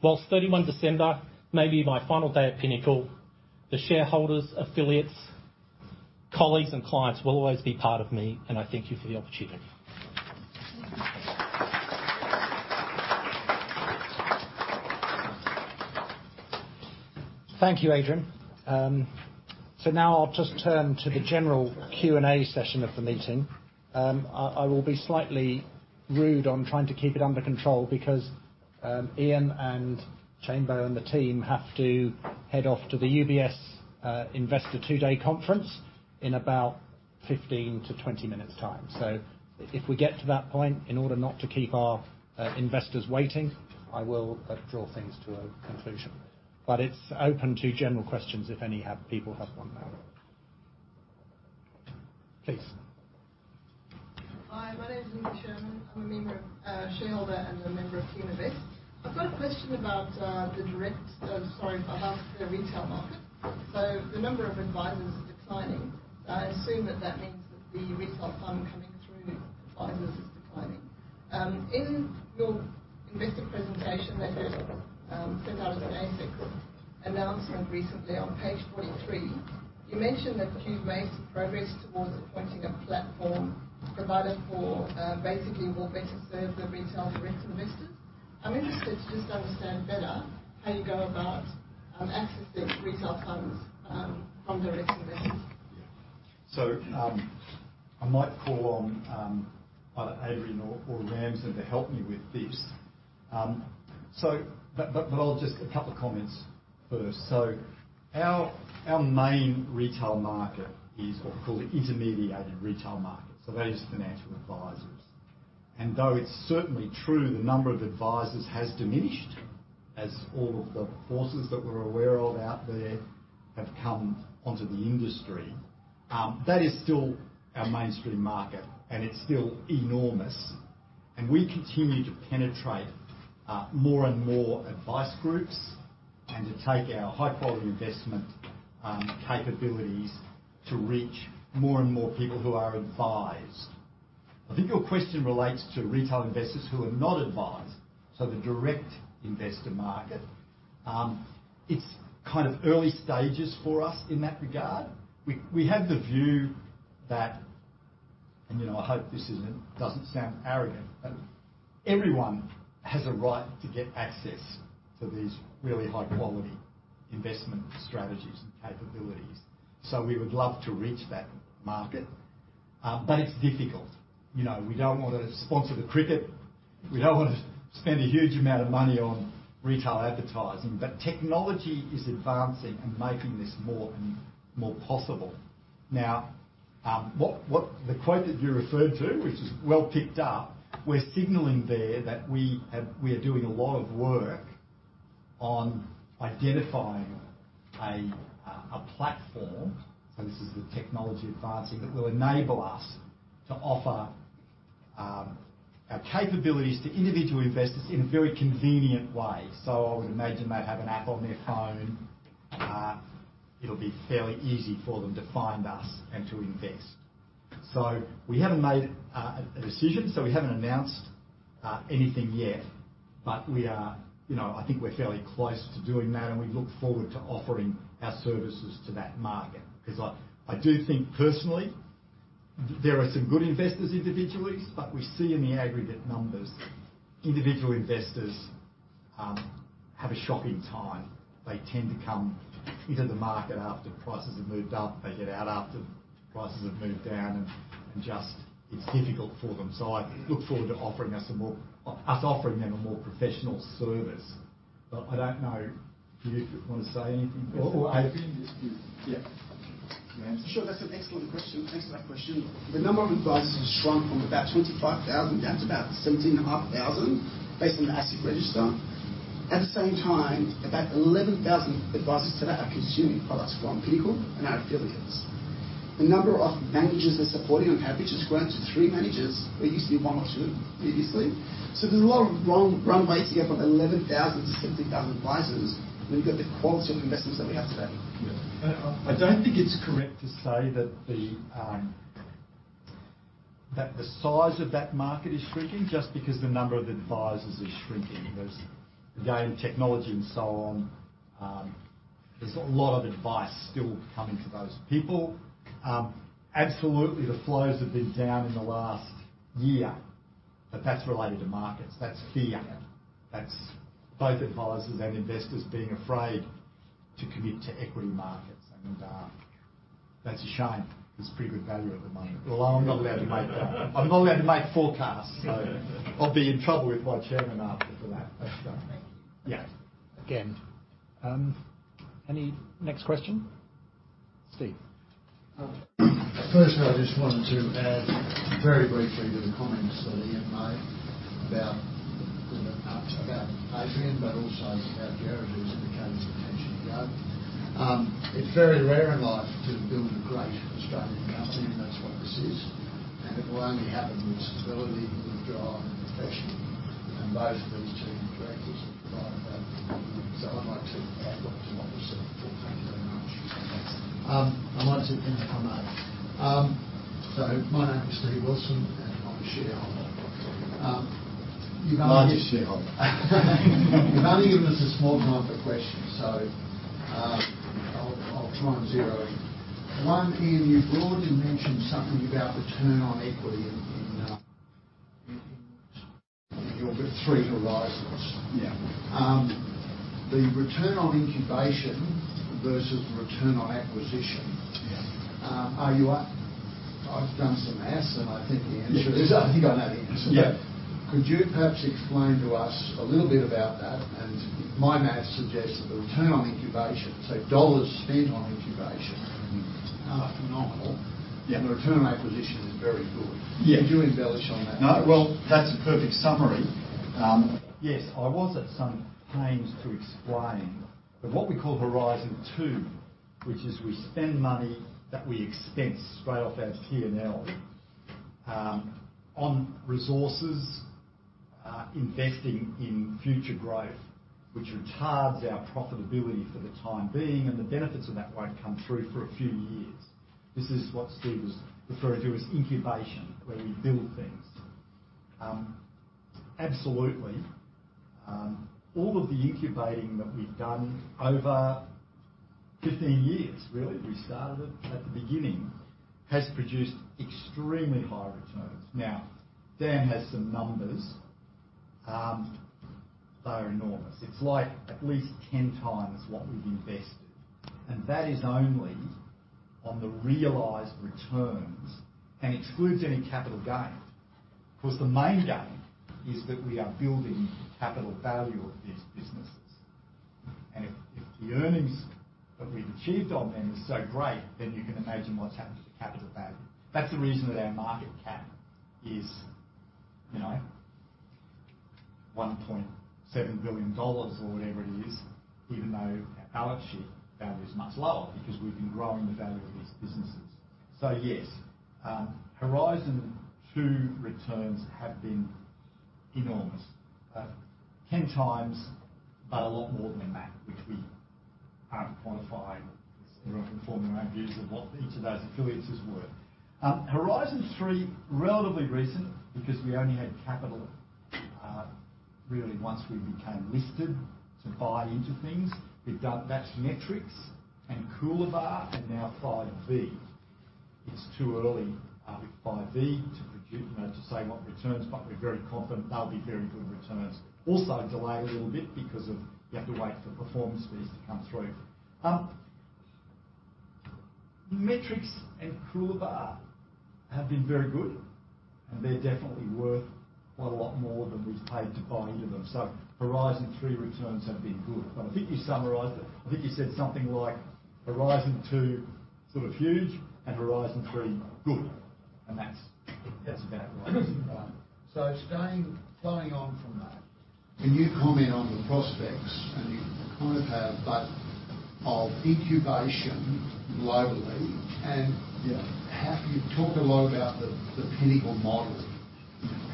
While December 31 may be my final day at Pinnacle, the shareholders, affiliates, colleagues, and clients will always be part of me, and I thank you for the opportunity. Thank you, Adrian. Now I'll just turn to the general Q&A session of the meeting. I will be slightly rude on trying to keep it under control because Ian and Chambers and the team have to head off to the UBS Investor two-day conference in about 15-20 minutes' time. If we get to that point, in order not to keep our investors waiting, I will draw things to a conclusion. It's open to general questions if people have one now. Please. Hi, my name is Alicia. I'm a shareholder and a member of Teaminvest. I've got a question about the retail market. The number of advisors is declining. I assume that means that the retail flow coming through advisors is declining. In your investor presentation that you sent out as an ASIC announcement recently on page 43, you mentioned that you've made progress towards appointing a platform provider that will basically better serve the retail direct investors. I'm interested to just understand better how you go about accessing retail funds from direct investors. I might call on either Adrian or Ramsin to help me with this. I'll just make a couple of comments first. Our main retail market is what we call the intermediated retail market. That is financial advisors. Though it's certainly true the number of advisors has diminished as all of the forces that we're aware of out there have come onto the industry, that is still our mainstream market, and it's still enormous. We continue to penetrate more and more advice groups and to take our high-quality investment capabilities to reach more and more people who are advised. I think your question relates to retail investors who are not advised, so the direct investor market. It's kind of early stages for us in that regard. We have the view that, you know, I hope this doesn't sound arrogant, but everyone has a right to get access to these really high-quality investment strategies and capabilities. We would love to reach that market, but it's difficult. You know, we don't wanna sponsor the cricket, we don't wanna spend a huge amount of money on retail advertising, but technology is advancing and making this more and more possible. Now, the quote that you referred to, which is well picked up, we're signaling there that we are doing a lot of work on identifying a platform, so this is the technology advancing, that will enable us to offer our capabilities to individual investors in a very convenient way. I would imagine they have an app on their phone. It'll be fairly easy for them to find us and to invest. We haven't made a decision, so we haven't announced anything yet. We are, you know, I think we're fairly close to doing that, and we look forward to offering our services to that market. 'Cause I do think personally there are some good investors individually, but we see in the aggregate numbers, individual investors have a shocking time. They tend to come into the market after prices have moved up. They get out after prices have moved down and just it's difficult for them. I look forward to us offering them a more professional service. I don't know, do you wanna say anything? Well, I think it's good. Yeah. Sure. That's an excellent question. Thanks for that question. The number of advisors has shrunk from about 25,000 down to about 17,500, based on the asset register. At the same time, about 11,000 advisors today are consuming products from Pinnacle and our affiliates. The number of managers they're supporting on average has grown to three managers, where it used to be one or two previously. There's a lot of runway to get from 11,000 to 60,000 advisors when you've got the quality of investments that we have today. Yeah. I don't think it's correct to say that the size of that market is shrinking just because the number of advisors is shrinking. There's again technology and so on. There's a lot of advice still coming to those people. Absolutely, the flows have been down in the last year, but that's related to markets. That's fear. That's both advisors and investors being afraid to commit to equity markets. That's a shame. There's pretty good value at the moment. Well, I'm not allowed to make forecasts. I'll be in trouble with my chairman after for that. That's Thank you. Yeah. Again, any next question? Steve. First, I just wanted to add very briefly to the comments that Ian made about, you know, about Adrian, but also about Gerard who's indicated his intention to go. It's very rare in life to build a great Australian company, and that's what this is. It will only happen with stability, with drive and passion. Both of these two directors have provided that. I'd like to add my two Bob as they say. Thank you very much. I might say a few comments. My name is Steven Wilson, and I'm a shareholder. You've only- Larger shareholder. You've only given us a small time for questions, so I'll try and zero in. One, Ian, you broadly mentioned something about return on equity in your three horizons. Yeah. The return on incubation versus the return on acquisition. Yeah. Are you up? I've done some math, and I think I know the answer. Yeah. Could you perhaps explain to us a little bit about that? My math suggests that the return on incubation, so dollars spent on incubation are phenomenal. Yeah. The return on acquisition is very good. Yeah. Could you embellish on that please? No, well, that's a perfect summary. Yes, I was at some pains to explain that what we call Horizon 2, which is we spend money that we expense straight off our P&L on resources investing in future growth, which retards our profitability for the time being, and the benefits of that won't come through for a few years. This is what Steve was referring to as incubation, where you build things. Absolutely, all of the incubating that we've done over 15 years, really, we started it at the beginning, has produced extremely high returns. Now, Dan has some numbers. They are enormous. It's like at least 10 times what we've invested, and that is only on the realized returns and excludes any capital gains. Of course, the main gain is that we are building capital value of these businesses. If the earnings that we've achieved on them is so great, then you can imagine what's happened to capital value. That's the reason that our market cap is, you know, 1.7 billion dollars or whatever it is, even though our balance sheet value is much lower because we've been growing the value of these businesses. Yes, Horizon 2 returns have been enormous. 10 times, but a lot more than that, which we quantify and everyone can form their own views of what each of those affiliates is worth. Horizon 3, relatively recent because we only had capital really once we became listed to buy into things. We've done, that's Metrics and Coolabah and now Five V. It's too early with Five V to, you know, say what returns, but we're very confident they'll be very good returns. Also delayed a little bit because of you have to wait for performance fees to come through. Metrics and Coolabah have been very good, and they're definitely worth quite a lot more than we've paid to buy into them. Horizon 3 returns have been good. I think you summarized it. I think you said something like Horizon 2, sort of huge and Horizon 3, good. That's about right. Flowing on from that. Can you comment on the prospects, and you kind of have, but of incubation globally? Yeah. Have you talked a lot about the Pinnacle model,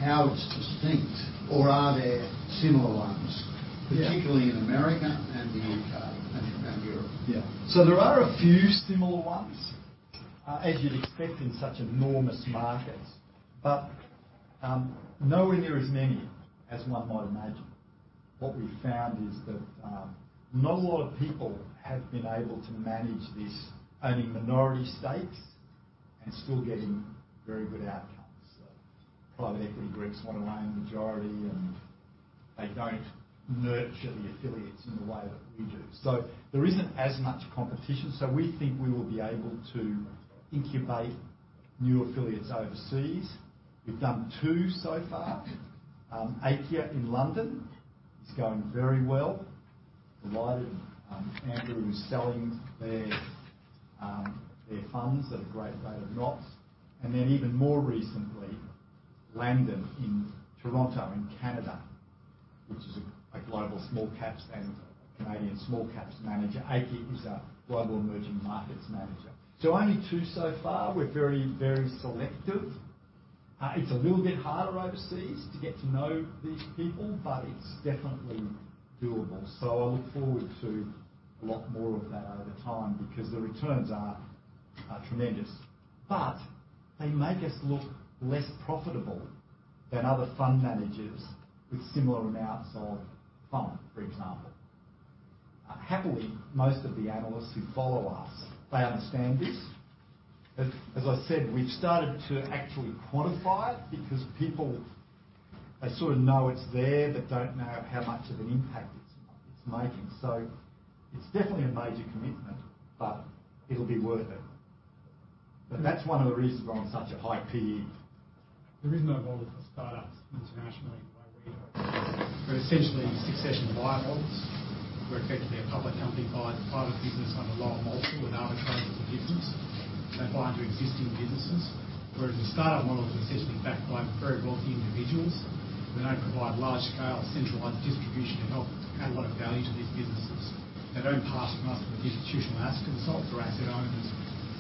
how it's distinct or are there similar ones? Yeah. Particularly in America and the U.K. and Europe? Yeah. There are a few similar ones, as you'd expect in such enormous markets, but nowhere near as many as one might imagine. What we've found is that not a lot of people have been able to manage this, owning minority stakes and still getting very good outcomes. Private equity groups want to own a majority, and they don't nurture the affiliates in the way that we do. There isn't as much competition. We think we will be able to incubate new affiliates overseas. We've done two so far. Aikya in London is going very well. Pinnacle is selling their funds at a great rate of knots. Then even more recently, Langdon in Toronto, in Canada, which is a global small caps and Canadian small caps manager. Aikya is a global emerging markets manager. Only two so far. We're very, very selective. It's a little bit harder overseas to get to know these people, but it's definitely doable. I look forward to a lot more of that over time because the returns are tremendous. But they make us look less profitable than other fund managers with similar amounts of fund, for example. Happily, most of the analysts who follow us, they understand this. As I said, we've started to actually quantify it because people, they sort of know it's there, but don't know how much of an impact it's making. It's definitely a major commitment, but it'll be worth it. But that's one of the reasons we're on such a high PE. There is no model for startups internationally that I read. They're essentially succession buy models, where effectively a public company buys a private business on a lower multiple and arbitrages the difference. They buy into existing businesses. Whereas the startup models are essentially backed by very wealthy individuals who don't provide large-scale centralized distribution to help add a lot of value to these businesses. They don't pass muster with institutional asset consultants or asset owners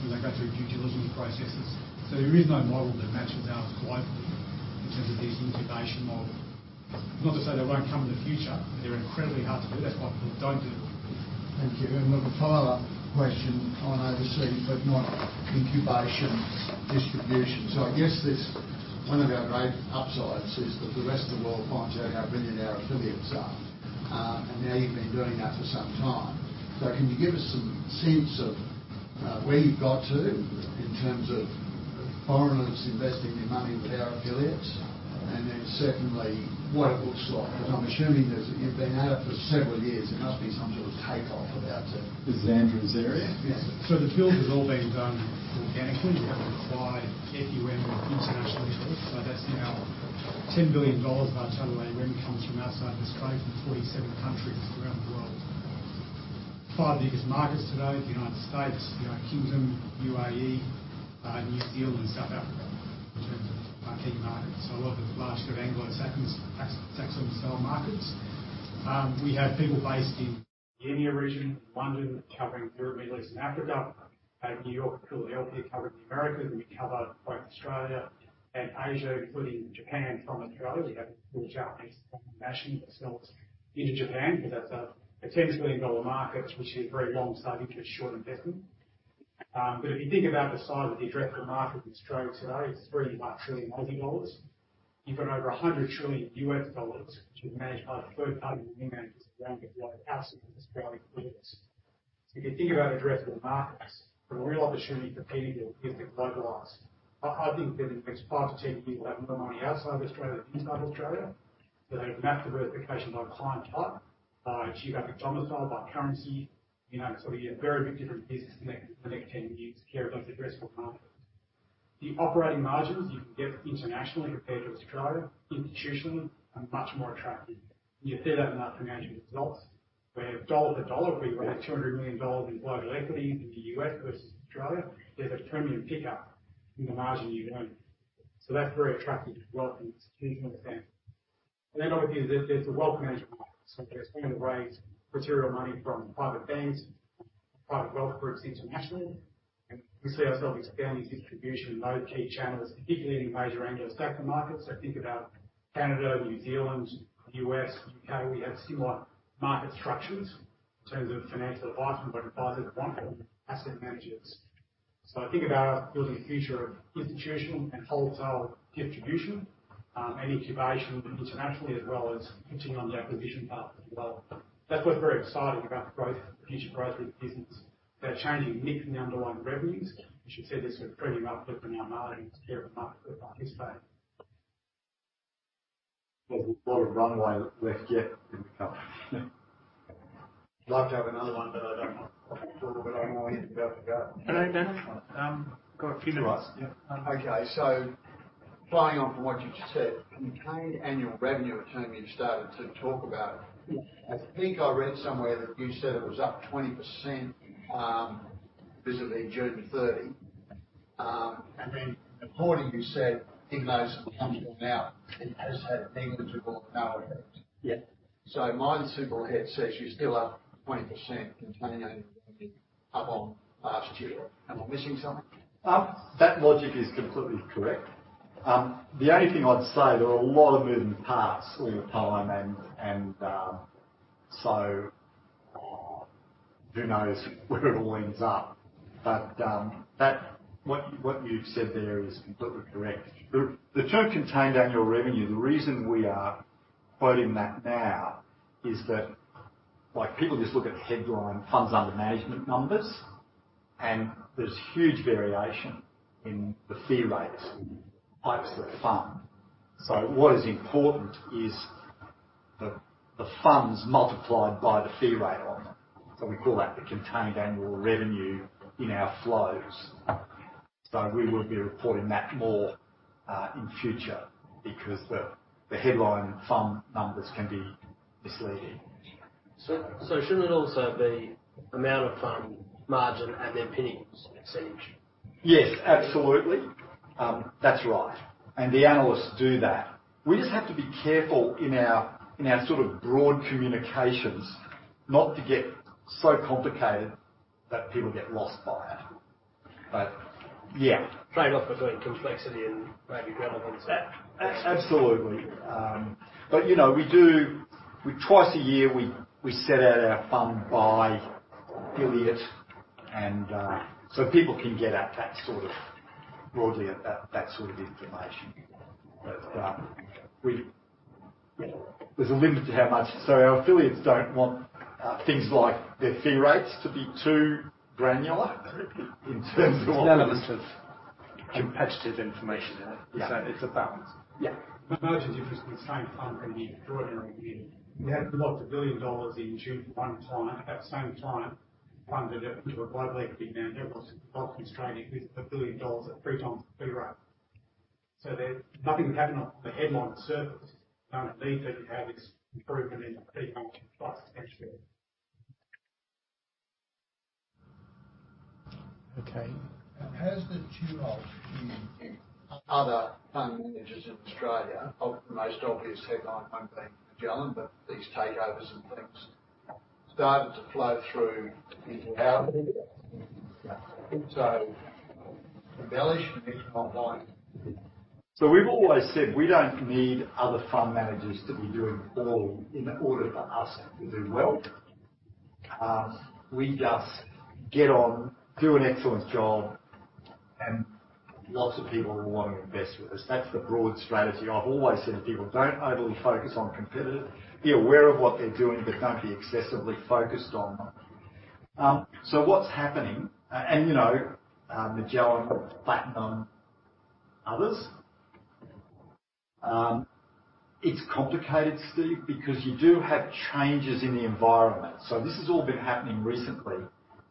when they go through due diligence processes. There is no model that matches ours globally in terms of this incubation model. Not to say they won't come in the future, but they're incredibly hard to do. That's why people don't do them. Thank you. We'll have a follow-up question on overseas, but not international distribution. I guess this one of our great upsides is that the rest of the world finds out how brilliant our affiliates are. Now you've been doing that for some time. Can you give us some sense of where you've got to in terms of foreigners investing their money with our affiliates? Then secondly, what it looks like, because I'm assuming you've been at it for several years. There must be some sort of takeoff about to. With Xandra's area? Yes. The build has all been done organically. We haven't acquired any FUM with international networks. That's now 10 billion dollars of our total FUM comes from outside of Australia, from 47 countries around the world. Five biggest markets today is the United States, United Kingdom, UAE, New Zealand and South Africa in terms of our key markets. A lot of large sort of Anglo-Saxon style markets. We have people based in the EMEA region in London covering Europe, Middle East and Africa. We have New York and Philadelphia covering the Americas. We cover both Australia and Asia, including Japan from Australia. We have a full Japanese national that sells into Japan because that's a $10 trillion market, which is very long study for short investment. If you think about the size of the addressable market in Australia today, it's AUD 31 trillion. You've got over $100 trillion, which is managed by third-party money managers around the globe, absolutely Australian leaders. If you think about addressable markets, the real opportunity for Pinnacle is to globalize. I think that in the next five to 10 years, we'll have more money outside of Australia than inside Australia. They've mapped diversification by client type, by geographic domicile, by currency. You know, so it'll be a very big different business in the next 10 years carrying those addressable markets. The operating margins you can get internationally compared to Australia institutionally are much more attractive. You see that in our financial results where dollar for dollar, if we raise 200 million dollars in global equity into the U.S. versus Australia, there's a premium pickup in the margin you earn. That's very attractive from a wealth and institutional standpoint. Obviously, there's the wealth management market. We're starting to raise material money from private banks, private wealth groups internationally, and we see ourselves expanding distribution in those key channels, particularly in major Anglo-Saxon markets. Think about Canada, New Zealand, U.S., U.K., where we have similar market structures in terms of financial advice from both advisors and institutional asset managers. Think about building a future of institutional and wholesale distribution, and incubation internationally, as well as continuing on the acquisition path as well. That's what's very exciting about the growth, the future growth of the business. They're changing mix in the underlying revenues. As you said, there's a pretty marked flip in our marketing compared with the marked flip on this page. There's a lot of runway left yet in the company. Yeah. I'd like to have another one, but I don't want to talk a bit more here. Hello, Dennis. Got a few minutes? Okay. Flying on from what you just said, contained annual revenue return, you've started to talk about. Yeah. I think I read somewhere that you said it was up 20%, FY June 30. Accordingly, you said in those comments, it has had negligible or no effect. Yeah. My simple head says you're still up 20% contained annual revenue up on last year. Am I missing something? That logic is completely correct. The only thing I'd say, there are a lot of moving parts all the time and so who knows where it all ends up. What you've said there is completely correct. The term contained annual revenue, the reason we are quoting that now is that, like, people just look at the headline funds under management numbers, and there's huge variation in the fee rates by type of fund. What is important is the funds multiplied by the fee rate on them. We call that the contained annual revenue in our flows. We will be reporting that more in future because the headline fund numbers can be misleading. Shouldn't it also be amount of fund margin and then pennies received? Yes, absolutely. That's right. The analysts do that. We just have to be careful in our sort of broad communications not to get so complicated that people get lost by it. Yeah. Trade-off between complexity and maybe relevance. Absolutely. You know we do twice a year we set out our FUM by affiliate and so people can get at that sort of broadly at that sort of information. There's a limit to how much. Our affiliates don't want things like their fee rates to be too granular in terms of what. It's nervous of competitive information. Yeah. It's a balance. Yeah. Most interesting, the same fund flow from the ordinary community. We had outflowed 1 billion dollars in June for one client. At that same time, inflowed to a global equity manager that was focused trading with AUD 1 billion at three times the fee rate. There's nothing happening on the headline surface. None of these people have this improvement in the fee margin price actually. Okay. Have the two of you and other fund managers in Australia, the most obvious one being Magellan, but these takeovers and things started to flow through into our media? Yeah. Embellish, maybe not like. We've always said we don't need other fund managers to be doing poorly in order for us to do well. We just get on, do an excellent job, and lots of people will wanna invest with us. That's the broad strategy. I've always said to people, "Don't overly focus on competitors. Be aware of what they're doing, but don't be excessively focused on them." What's happening, Magellan, Platinum, others, it's complicated, Steve, because you do have changes in the environment. This has all been happening recently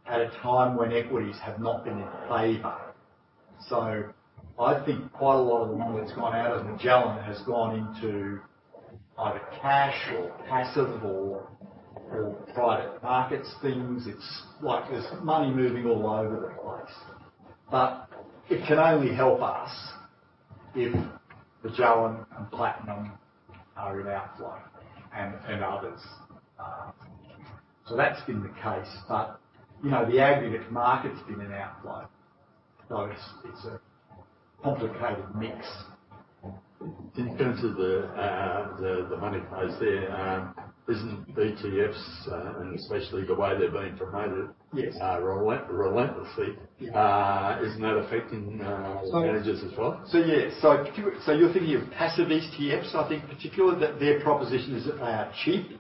at a time when equities have not been in favor. I think quite a lot of the money that's gone out of Magellan has gone into either cash or passive or private markets things. It's like there's money moving all over the place, but it can only help us if Magellan and Platinum are in outflow and others. That's been the case. You know, the aggregate market's been an outflow. It's a complicated mix. In terms of the money flows there, in ETFs and especially the way they're being promoted. Yes. Are relentlessly. Yeah. Isn't that affecting managers as well? You're thinking of passive ETFs. I think particularly that their proposition is that they are cheap.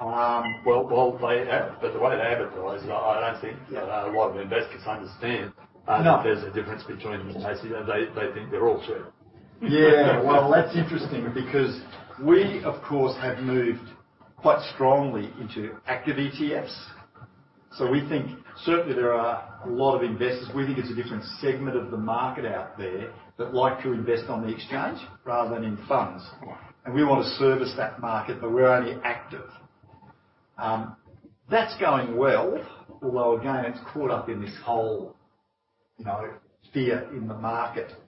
Well, they have, but the way they advertise it, I don't think that a lot of investors understand. No. That there's a difference between the two. They think they're all cheap. Yeah. Well, that's interesting because we of course, have moved quite strongly into active ETFs. We think certainly there are a lot of investors, we think it's a different segment of the market out there that like to invest on the exchange rather than in funds. Yeah. We wanna service that market, but we're only active. That's going well, although again, it's caught up in this whole, you know, fear in the market situation.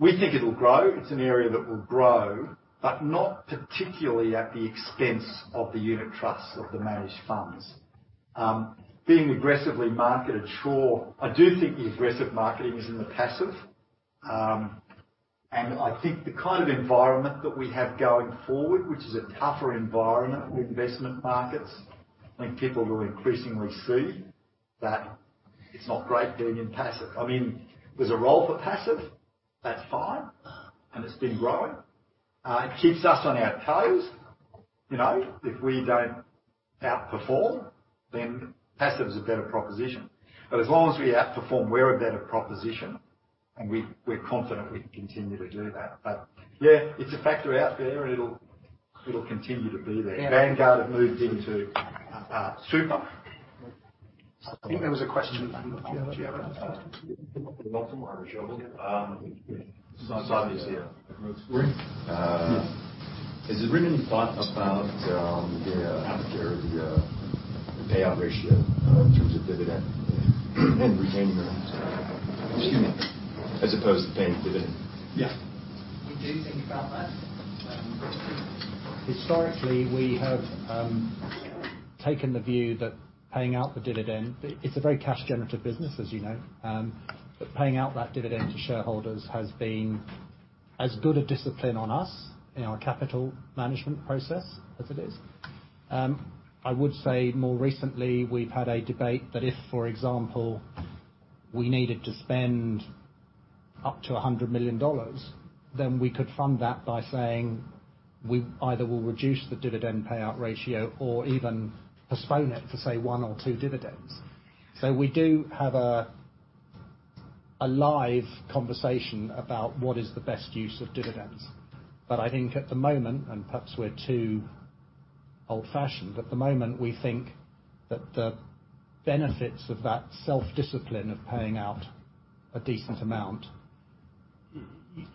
We think it'll grow. It's an area that will grow, but not particularly at the expense of the unit trusts of the managed funds. Being aggressively marketed, sure. I do think the aggressive marketing is in the passive. I think the kind of environment that we have going forward, which is a tougher environment for investment markets, I think people will increasingly see that it's not great being in passive. I mean, there's a role for passive, that's fine, and it's been growing. It keeps us on our toes. You know, if we don't outperform, then passive is a better proposition. As long as we outperform, we're a better proposition, and we're confident we can continue to do that. Yeah, it's a factor out there, and it'll continue to be there. Vanguard have moved into super. I think there was a question from Giova. Giova. Yeah. Simon is here. Sorry. Has there been any thought about the payout ratio in terms of dividend and retaining earnings? Excuse me. As opposed to paying a dividend? Yeah. We do think about that. Historically, we have taken the view that paying out the dividend, it's a very cash generative business, as you know, but paying out that dividend to shareholders has been as good a discipline on us in our capital management process as it is. I would say more recently, we've had a debate that if, for example, we needed to spend up to 100 million dollars, then we could fund that by saying, we either will reduce the dividend payout ratio or even postpone it for, say, one or two dividends. We do have a live conversation about what is the best use of dividends. I think at the moment, and perhaps we're too old-fashioned, at the moment, we think that the benefits of that self-discipline of paying out a decent amount.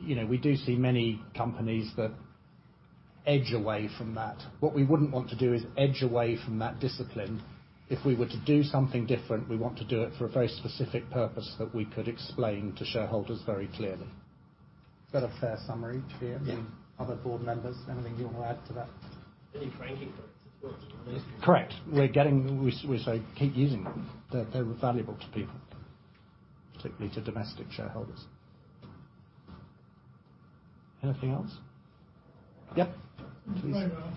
You know, we do see many companies that edge away from that. What we wouldn't want to do is edge away from that discipline. If we were to do something different, we want to do it for a very specific purpose that we could explain to shareholders very clearly. Is that a fair summary, Chair? Yeah. Other board members, anything you wanna add to that? Getting franking credits as well. Correct. We say, "Keep using them." They're valuable to people, particularly to domestic shareholders. Anything else? Yep, please. Very well.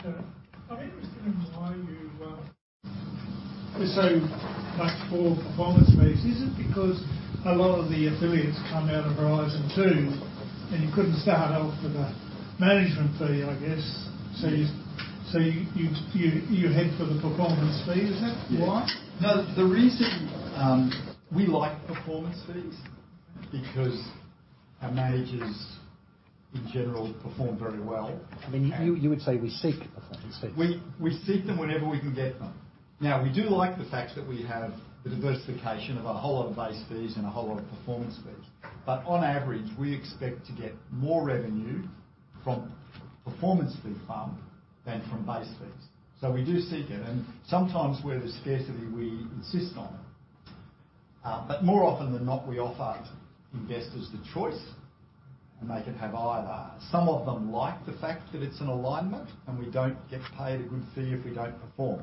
I'm interested in why you are so much for performance fees. Is it because a lot of the affiliates come out of Horizon 2, and you couldn't start off with a management fee, I guess. You head for the performance fee. Is that why? No. The reason we like performance fees because our managers, in general, perform very well. I mean, you would say we seek performance fees. We seek them whenever we can get them. Now, we do like the fact that we have the diversification of a whole lot of base fees and a whole lot of performance fees. On average, we expect to get more revenue from performance fee FUM than from base fees. We do seek it. Sometimes where there's scarcity, we insist on it. More often than not, we offer investors the choice, and they can have either. Some of them like the fact that it's an alignment, and we don't get paid a good fee if we don't perform.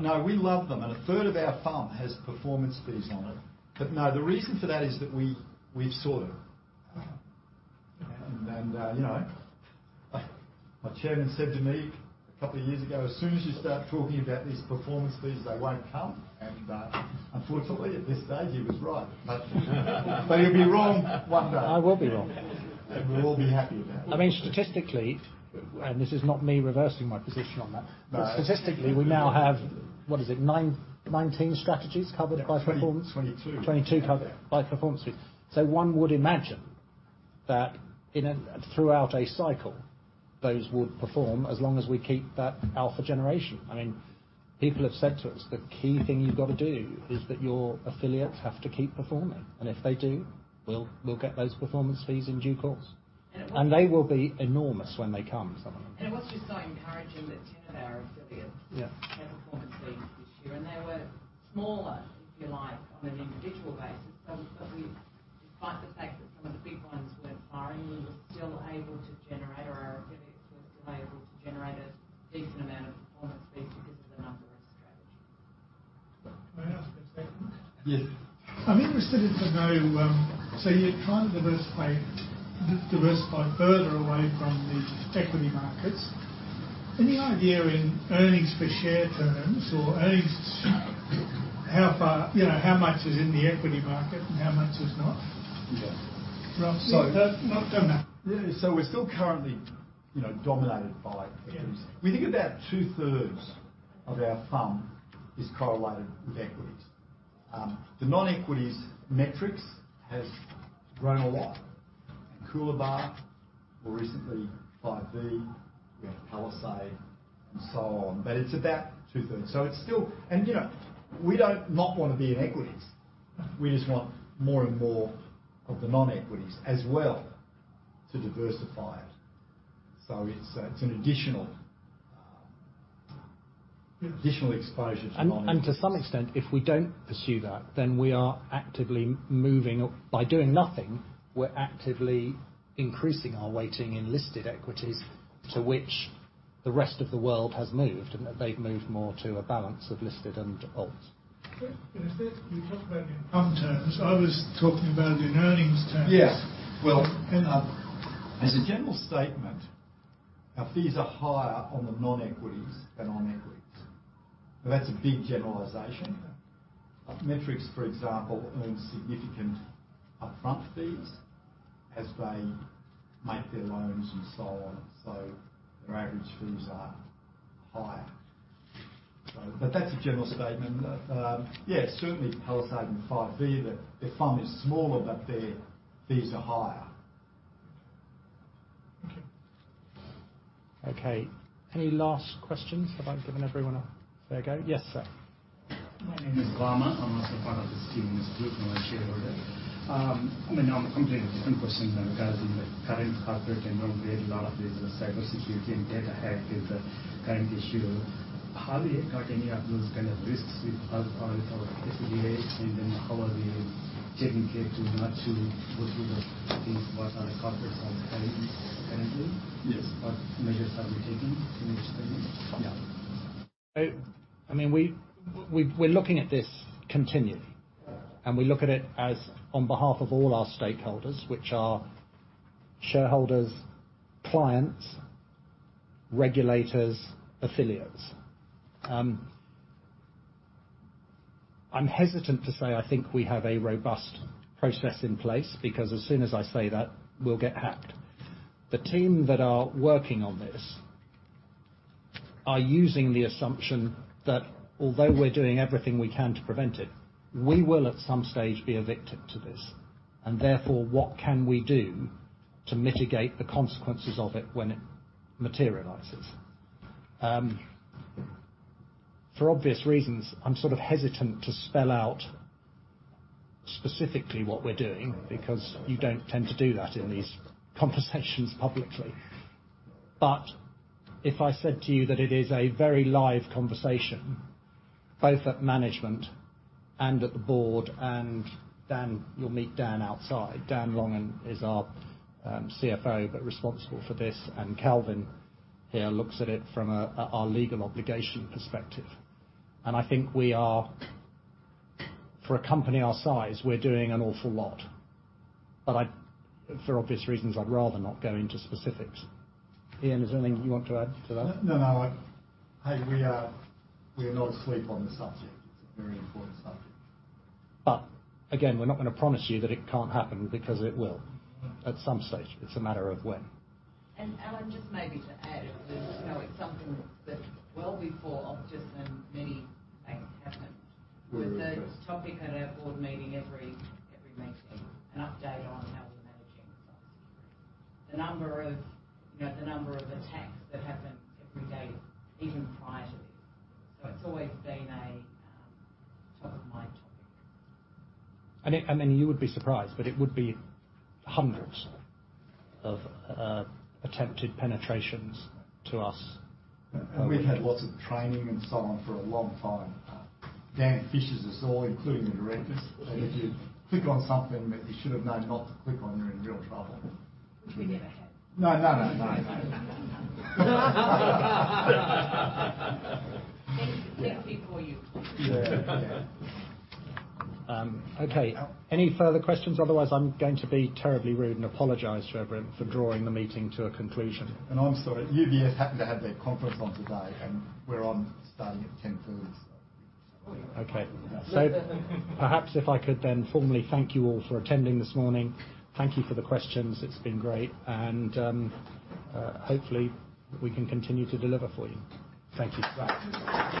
No, we love them, and a third of our FUM has performance fees on it. No, the reason for that is that we've sought them. You know, my chairman said to me a couple of years ago, "As soon as you start talking about these performance fees, they won't come." Unfortunately, at this stage, he was right. But he'll be wrong one day. I will be wrong. We'll all be happy about it. I mean, statistically, and this is not me reversing my position on that. No. Statistically, we now have, what is it? 19 strategies covered by performance? 22. 22 covered by performance fee. One would imagine that throughout a cycle, those would perform as long as we keep that alpha generation. I mean, people have said to us, "The key thing you've got to do is that your affiliates have to keep performing." If they do, we'll get those performance fees in due course. They will be enormous when they come, some of them. It was just so encouraging that 10 of our affiliates. Yeah. We had performance fees this year, and they were smaller, if you like, on an individual basis. Despite the fact that some of the big ones weren't firing, we were still able to generate, or our affiliates were still able to generate a decent amount of performance fees because of the number of strategies. May I ask a second? Yes. I'm interested to know, so you're trying to diversify further away from the equity markets. Any idea in earnings per share terms or earnings, how far, you know, how much is in the equity market and how much is not? Yeah. No, fair enough. We're still currently, you know, dominated by equities. Yeah. We think about two-thirds of our FUM is correlated with equities. The non-equities Metrics has grown a lot. Coolabah, more recently, Five V, we have Palisade and so on. It's about two-thirds. It's still. You know, we don't not wanna be in equities. We just want more and more of the non-equities as well to diversify it. It's an additional exposure to non- To some extent, if we don't pursue that, then we are actively moving. By doing nothing, we're actively increasing our weighting in listed equities to which the rest of the world has moved, and that they've moved more to a balance of listed and alt. You talk about it in fund terms. I was talking about in earnings terms. Yeah. Well As a general statement, our fees are higher on the non-equities than on equities. That's a big generalization. Yeah. Metrics, for example, earns significant upfront fees as they make their loans and so on. Their average fees are higher. That's a general statement. Yeah, certainly Palisade, their fund is smaller, but their fees are higher. Okay. Okay. Any last questions? Have I given everyone a fair go? Yes, sir. My name is Lama. I'm also part of this team as group shareholder. I mean, I'm completing a different question regarding the current corporate environment. A lot of business cybersecurity and data hack is a current issue. How do you guard any of those kind of risks with our [FGA]? And then how are we taking care to not to go through the things what are the corporate are facing currently? Yes. What measures are we taking in this space? Yeah. I mean, we're looking at this continually. Yeah. We look at it as on behalf of all our stakeholders, which are shareholders, clients, regulators, affiliates. I'm hesitant to say I think we have a robust process in place because as soon as I say that, we'll get hacked. The team that are working on this are using the assumption that although we're doing everything we can to prevent it, we will at some stage be a victim to this. Therefore, what can we do to mitigate the consequences of it when it materializes? For obvious reasons, I'm sort of hesitant to spell out specifically what we're doing because you don't tend to do that in these conversations publicly. But if I said to you that it is a very live conversation, both at management and at the board, and Dan, you'll meet Dan outside. Dan Longan is our CFO, but responsible for this. Calvin here looks at it from our legal obligation perspective. I think we are, for a company our size, we're doing an awful lot. For obvious reasons, I'd rather not go into specifics. Ian, is there anything you want to add to that? No, no. Hey, we are not asleep on the subject. It's a very important subject. Again, we're not gonna promise you that it can't happen because it will. Mm-hmm. At some stage. It's a matter of when. Alan, just maybe to add. You know, it's something that well before Optus and many things happened. Mm-hmm. With the topic at our board meeting every meeting, an update on how we're managing the cybersecurity. The number of, you know, attacks that happened every day even prior to this. It's always been a top of mind topic. You would be surprised, but it would be hundreds of attempted penetrations to us. We've had lots of training and so on for a long time. Dan phishes us all, including the directors. If you click on something that you should have known not to click on, you're in real trouble. Which we never have. No, no, no. Thank you. Yeah. Yeah. Okay. Any further questions? Otherwise, I'm going to be terribly rude and apologize to everyone for drawing the meeting to a conclusion. I'm sorry. UBS happened to have their conference on today, and we're on starting at 10:30 A.M., so. Okay. Perhaps if I could then formally thank you all for attending this morning. Thank you for the questions. It's been great. Hopefully, we can continue to deliver for you. Thank you for that.